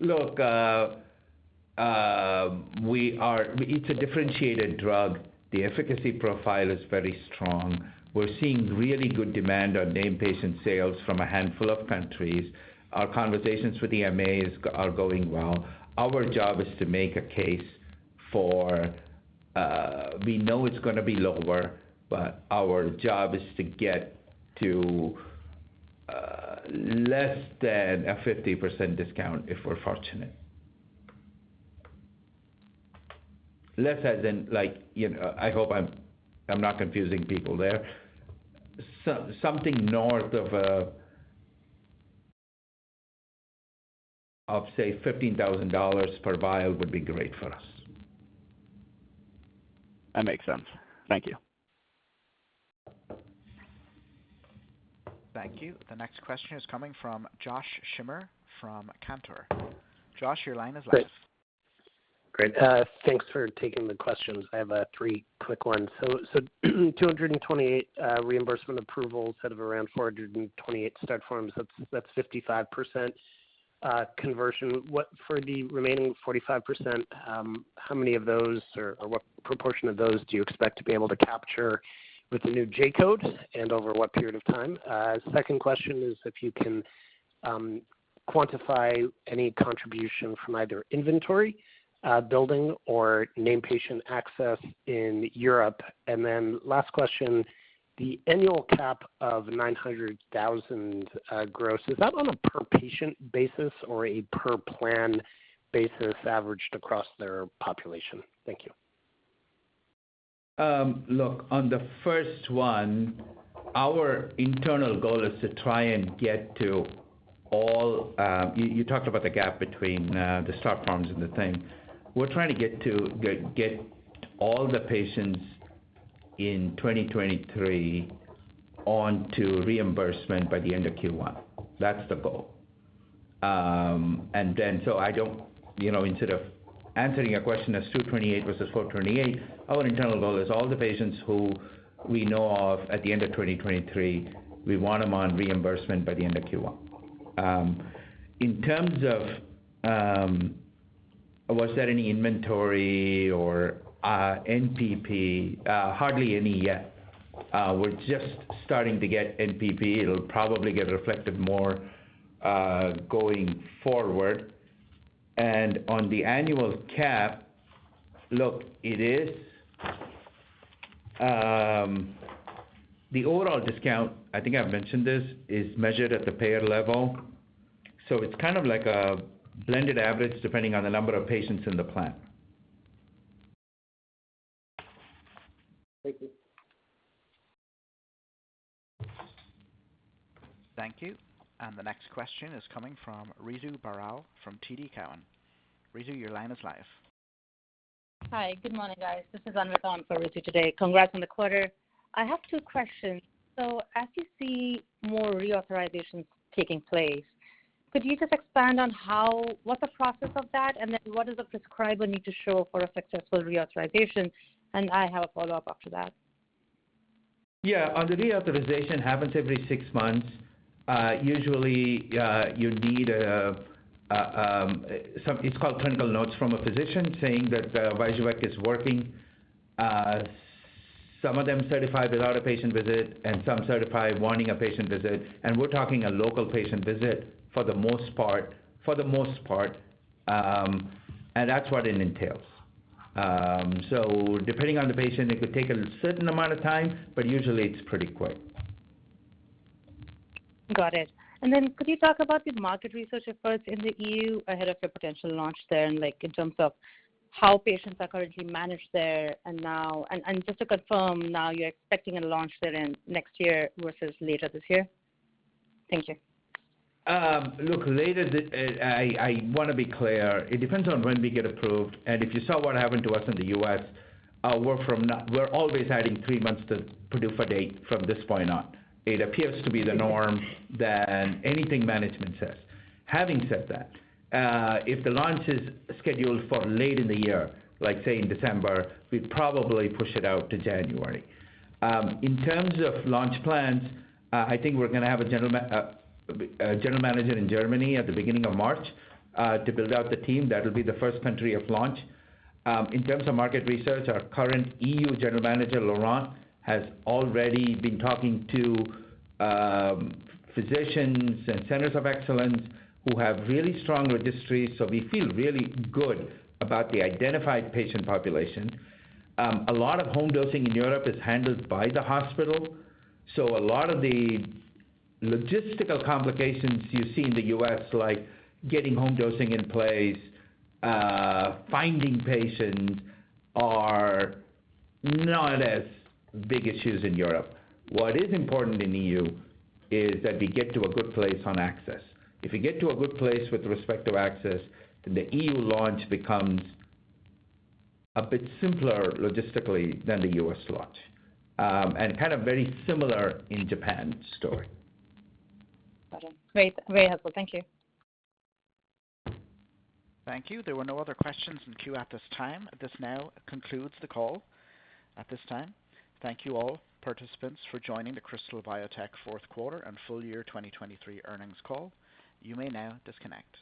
Look, it's a differentiated drug. The efficacy profile is very strong. We're seeing really good demand on named patient sales from a handful of countries. Our conversations with EMAs are going well. Our job is to make a case for we know it's going to be lower, but our job is to get to less than a 50% discount if we're fortunate. Less as in I hope I'm not confusing people there. Something north of, say, $15,000 per vial would be great for us. That makes sense. Thank you. Thank you. The next question is coming from Josh Schimmer from Cantor. Josh, your line is live. Great. Thanks for taking the questions. I have three quick ones. So 228 reimbursement approvals out of around 428 start forms, that's 55% conversion. For the remaining 45%, how many of those or what proportion of those do you expect to be able to capture with the new J-code and over what period of time? Second question is if you can quantify any contribution from either inventory building or name patient access in Europe. And then last question, the annual cap of $900,000 gross, is that on a per-patient basis or a per-plan basis averaged across their population? Thank you. Look, on the first one, our internal goal is to try and get to all you talked about the gap between the start forms and the thing. We're trying to get all the patients in 2023 onto reimbursement by the end of Q1. That's the goal. And then so instead of answering your question as 228 versus 428, our internal goal is all the patients who we know of at the end of 2023, we want them on reimbursement by the end of Q1. In terms of, was there any inventory or NPP? Hardly any yet. We're just starting to get NPP. It'll probably get reflected more going forward. And on the annual cap, look, it is the overall discount, I think I've mentioned this, is measured at the payer level. So it's kind of like a blended average depending on the number of patients in the plan. Thank you. Thank you. And the next question is coming from Ritu Baral from TD Cowen. Ritu, your line is live. Hi. Good morning, guys. This is Anvita for Ritu today. Congrats on the quarter. I have two questions. As you see more reauthorizations taking place, could you just expand on what's the process of that, and then what does a prescriber need to show for a successful reauthorization? I have a follow-up after that. Yeah. On the reauthorization, it happens every six months. Usually, you need. It's called clinical notes from a physician saying that VYJUVEK is working. Some of them certify without a patient visit, and some certify, wanting a patient visit. We're talking a local patient visit for the most part, and that's what it entails. Depending on the patient, it could take a certain amount of time, but usually, it's pretty quick. Got it. Then could you talk about the market research efforts in the EU ahead of your potential launch there in terms of how patients are currently managed there and now? Just to confirm, now you're expecting a launch there next year versus later this year? Thank you. Look, later, I want to be clear. It depends on when we get approved. If you saw what happened to us in the U.S., we're always adding three months to PDUFA date from this point on. It appears to be the norm rather than anything management says. Having said that, if the launch is scheduled for late in the year, say in December, we'd probably push it out to January. In terms of launch plans, I think we're going to have a general manager in Germany at the beginning of March to build out the team. That'll be the first country of launch. In terms of market research, our current EU general manager, Laurent, has already been talking to physicians and centers of excellence who have really strong registries, so we feel really good about the identified patient population. A lot of home dosing in Europe is handled by the hospital, so a lot of the logistical complications you see in the U.S., like getting home dosing in place, finding patients, are not as big issues in Europe. What is important in the EU is that we get to a good place on access. If we get to a good place with respect to access, then the EU launch becomes a bit simpler logistically than the U.S. launch and kind of very similar in Japan story. Got it. Very helpful. Thank you. Thank you. There were no other questions in queue at this time. This now concludes the call at this time. Thank you all participants for joining the Krystal Biotech fourth quarter and full year 2023 earnings call. You may now disconnect.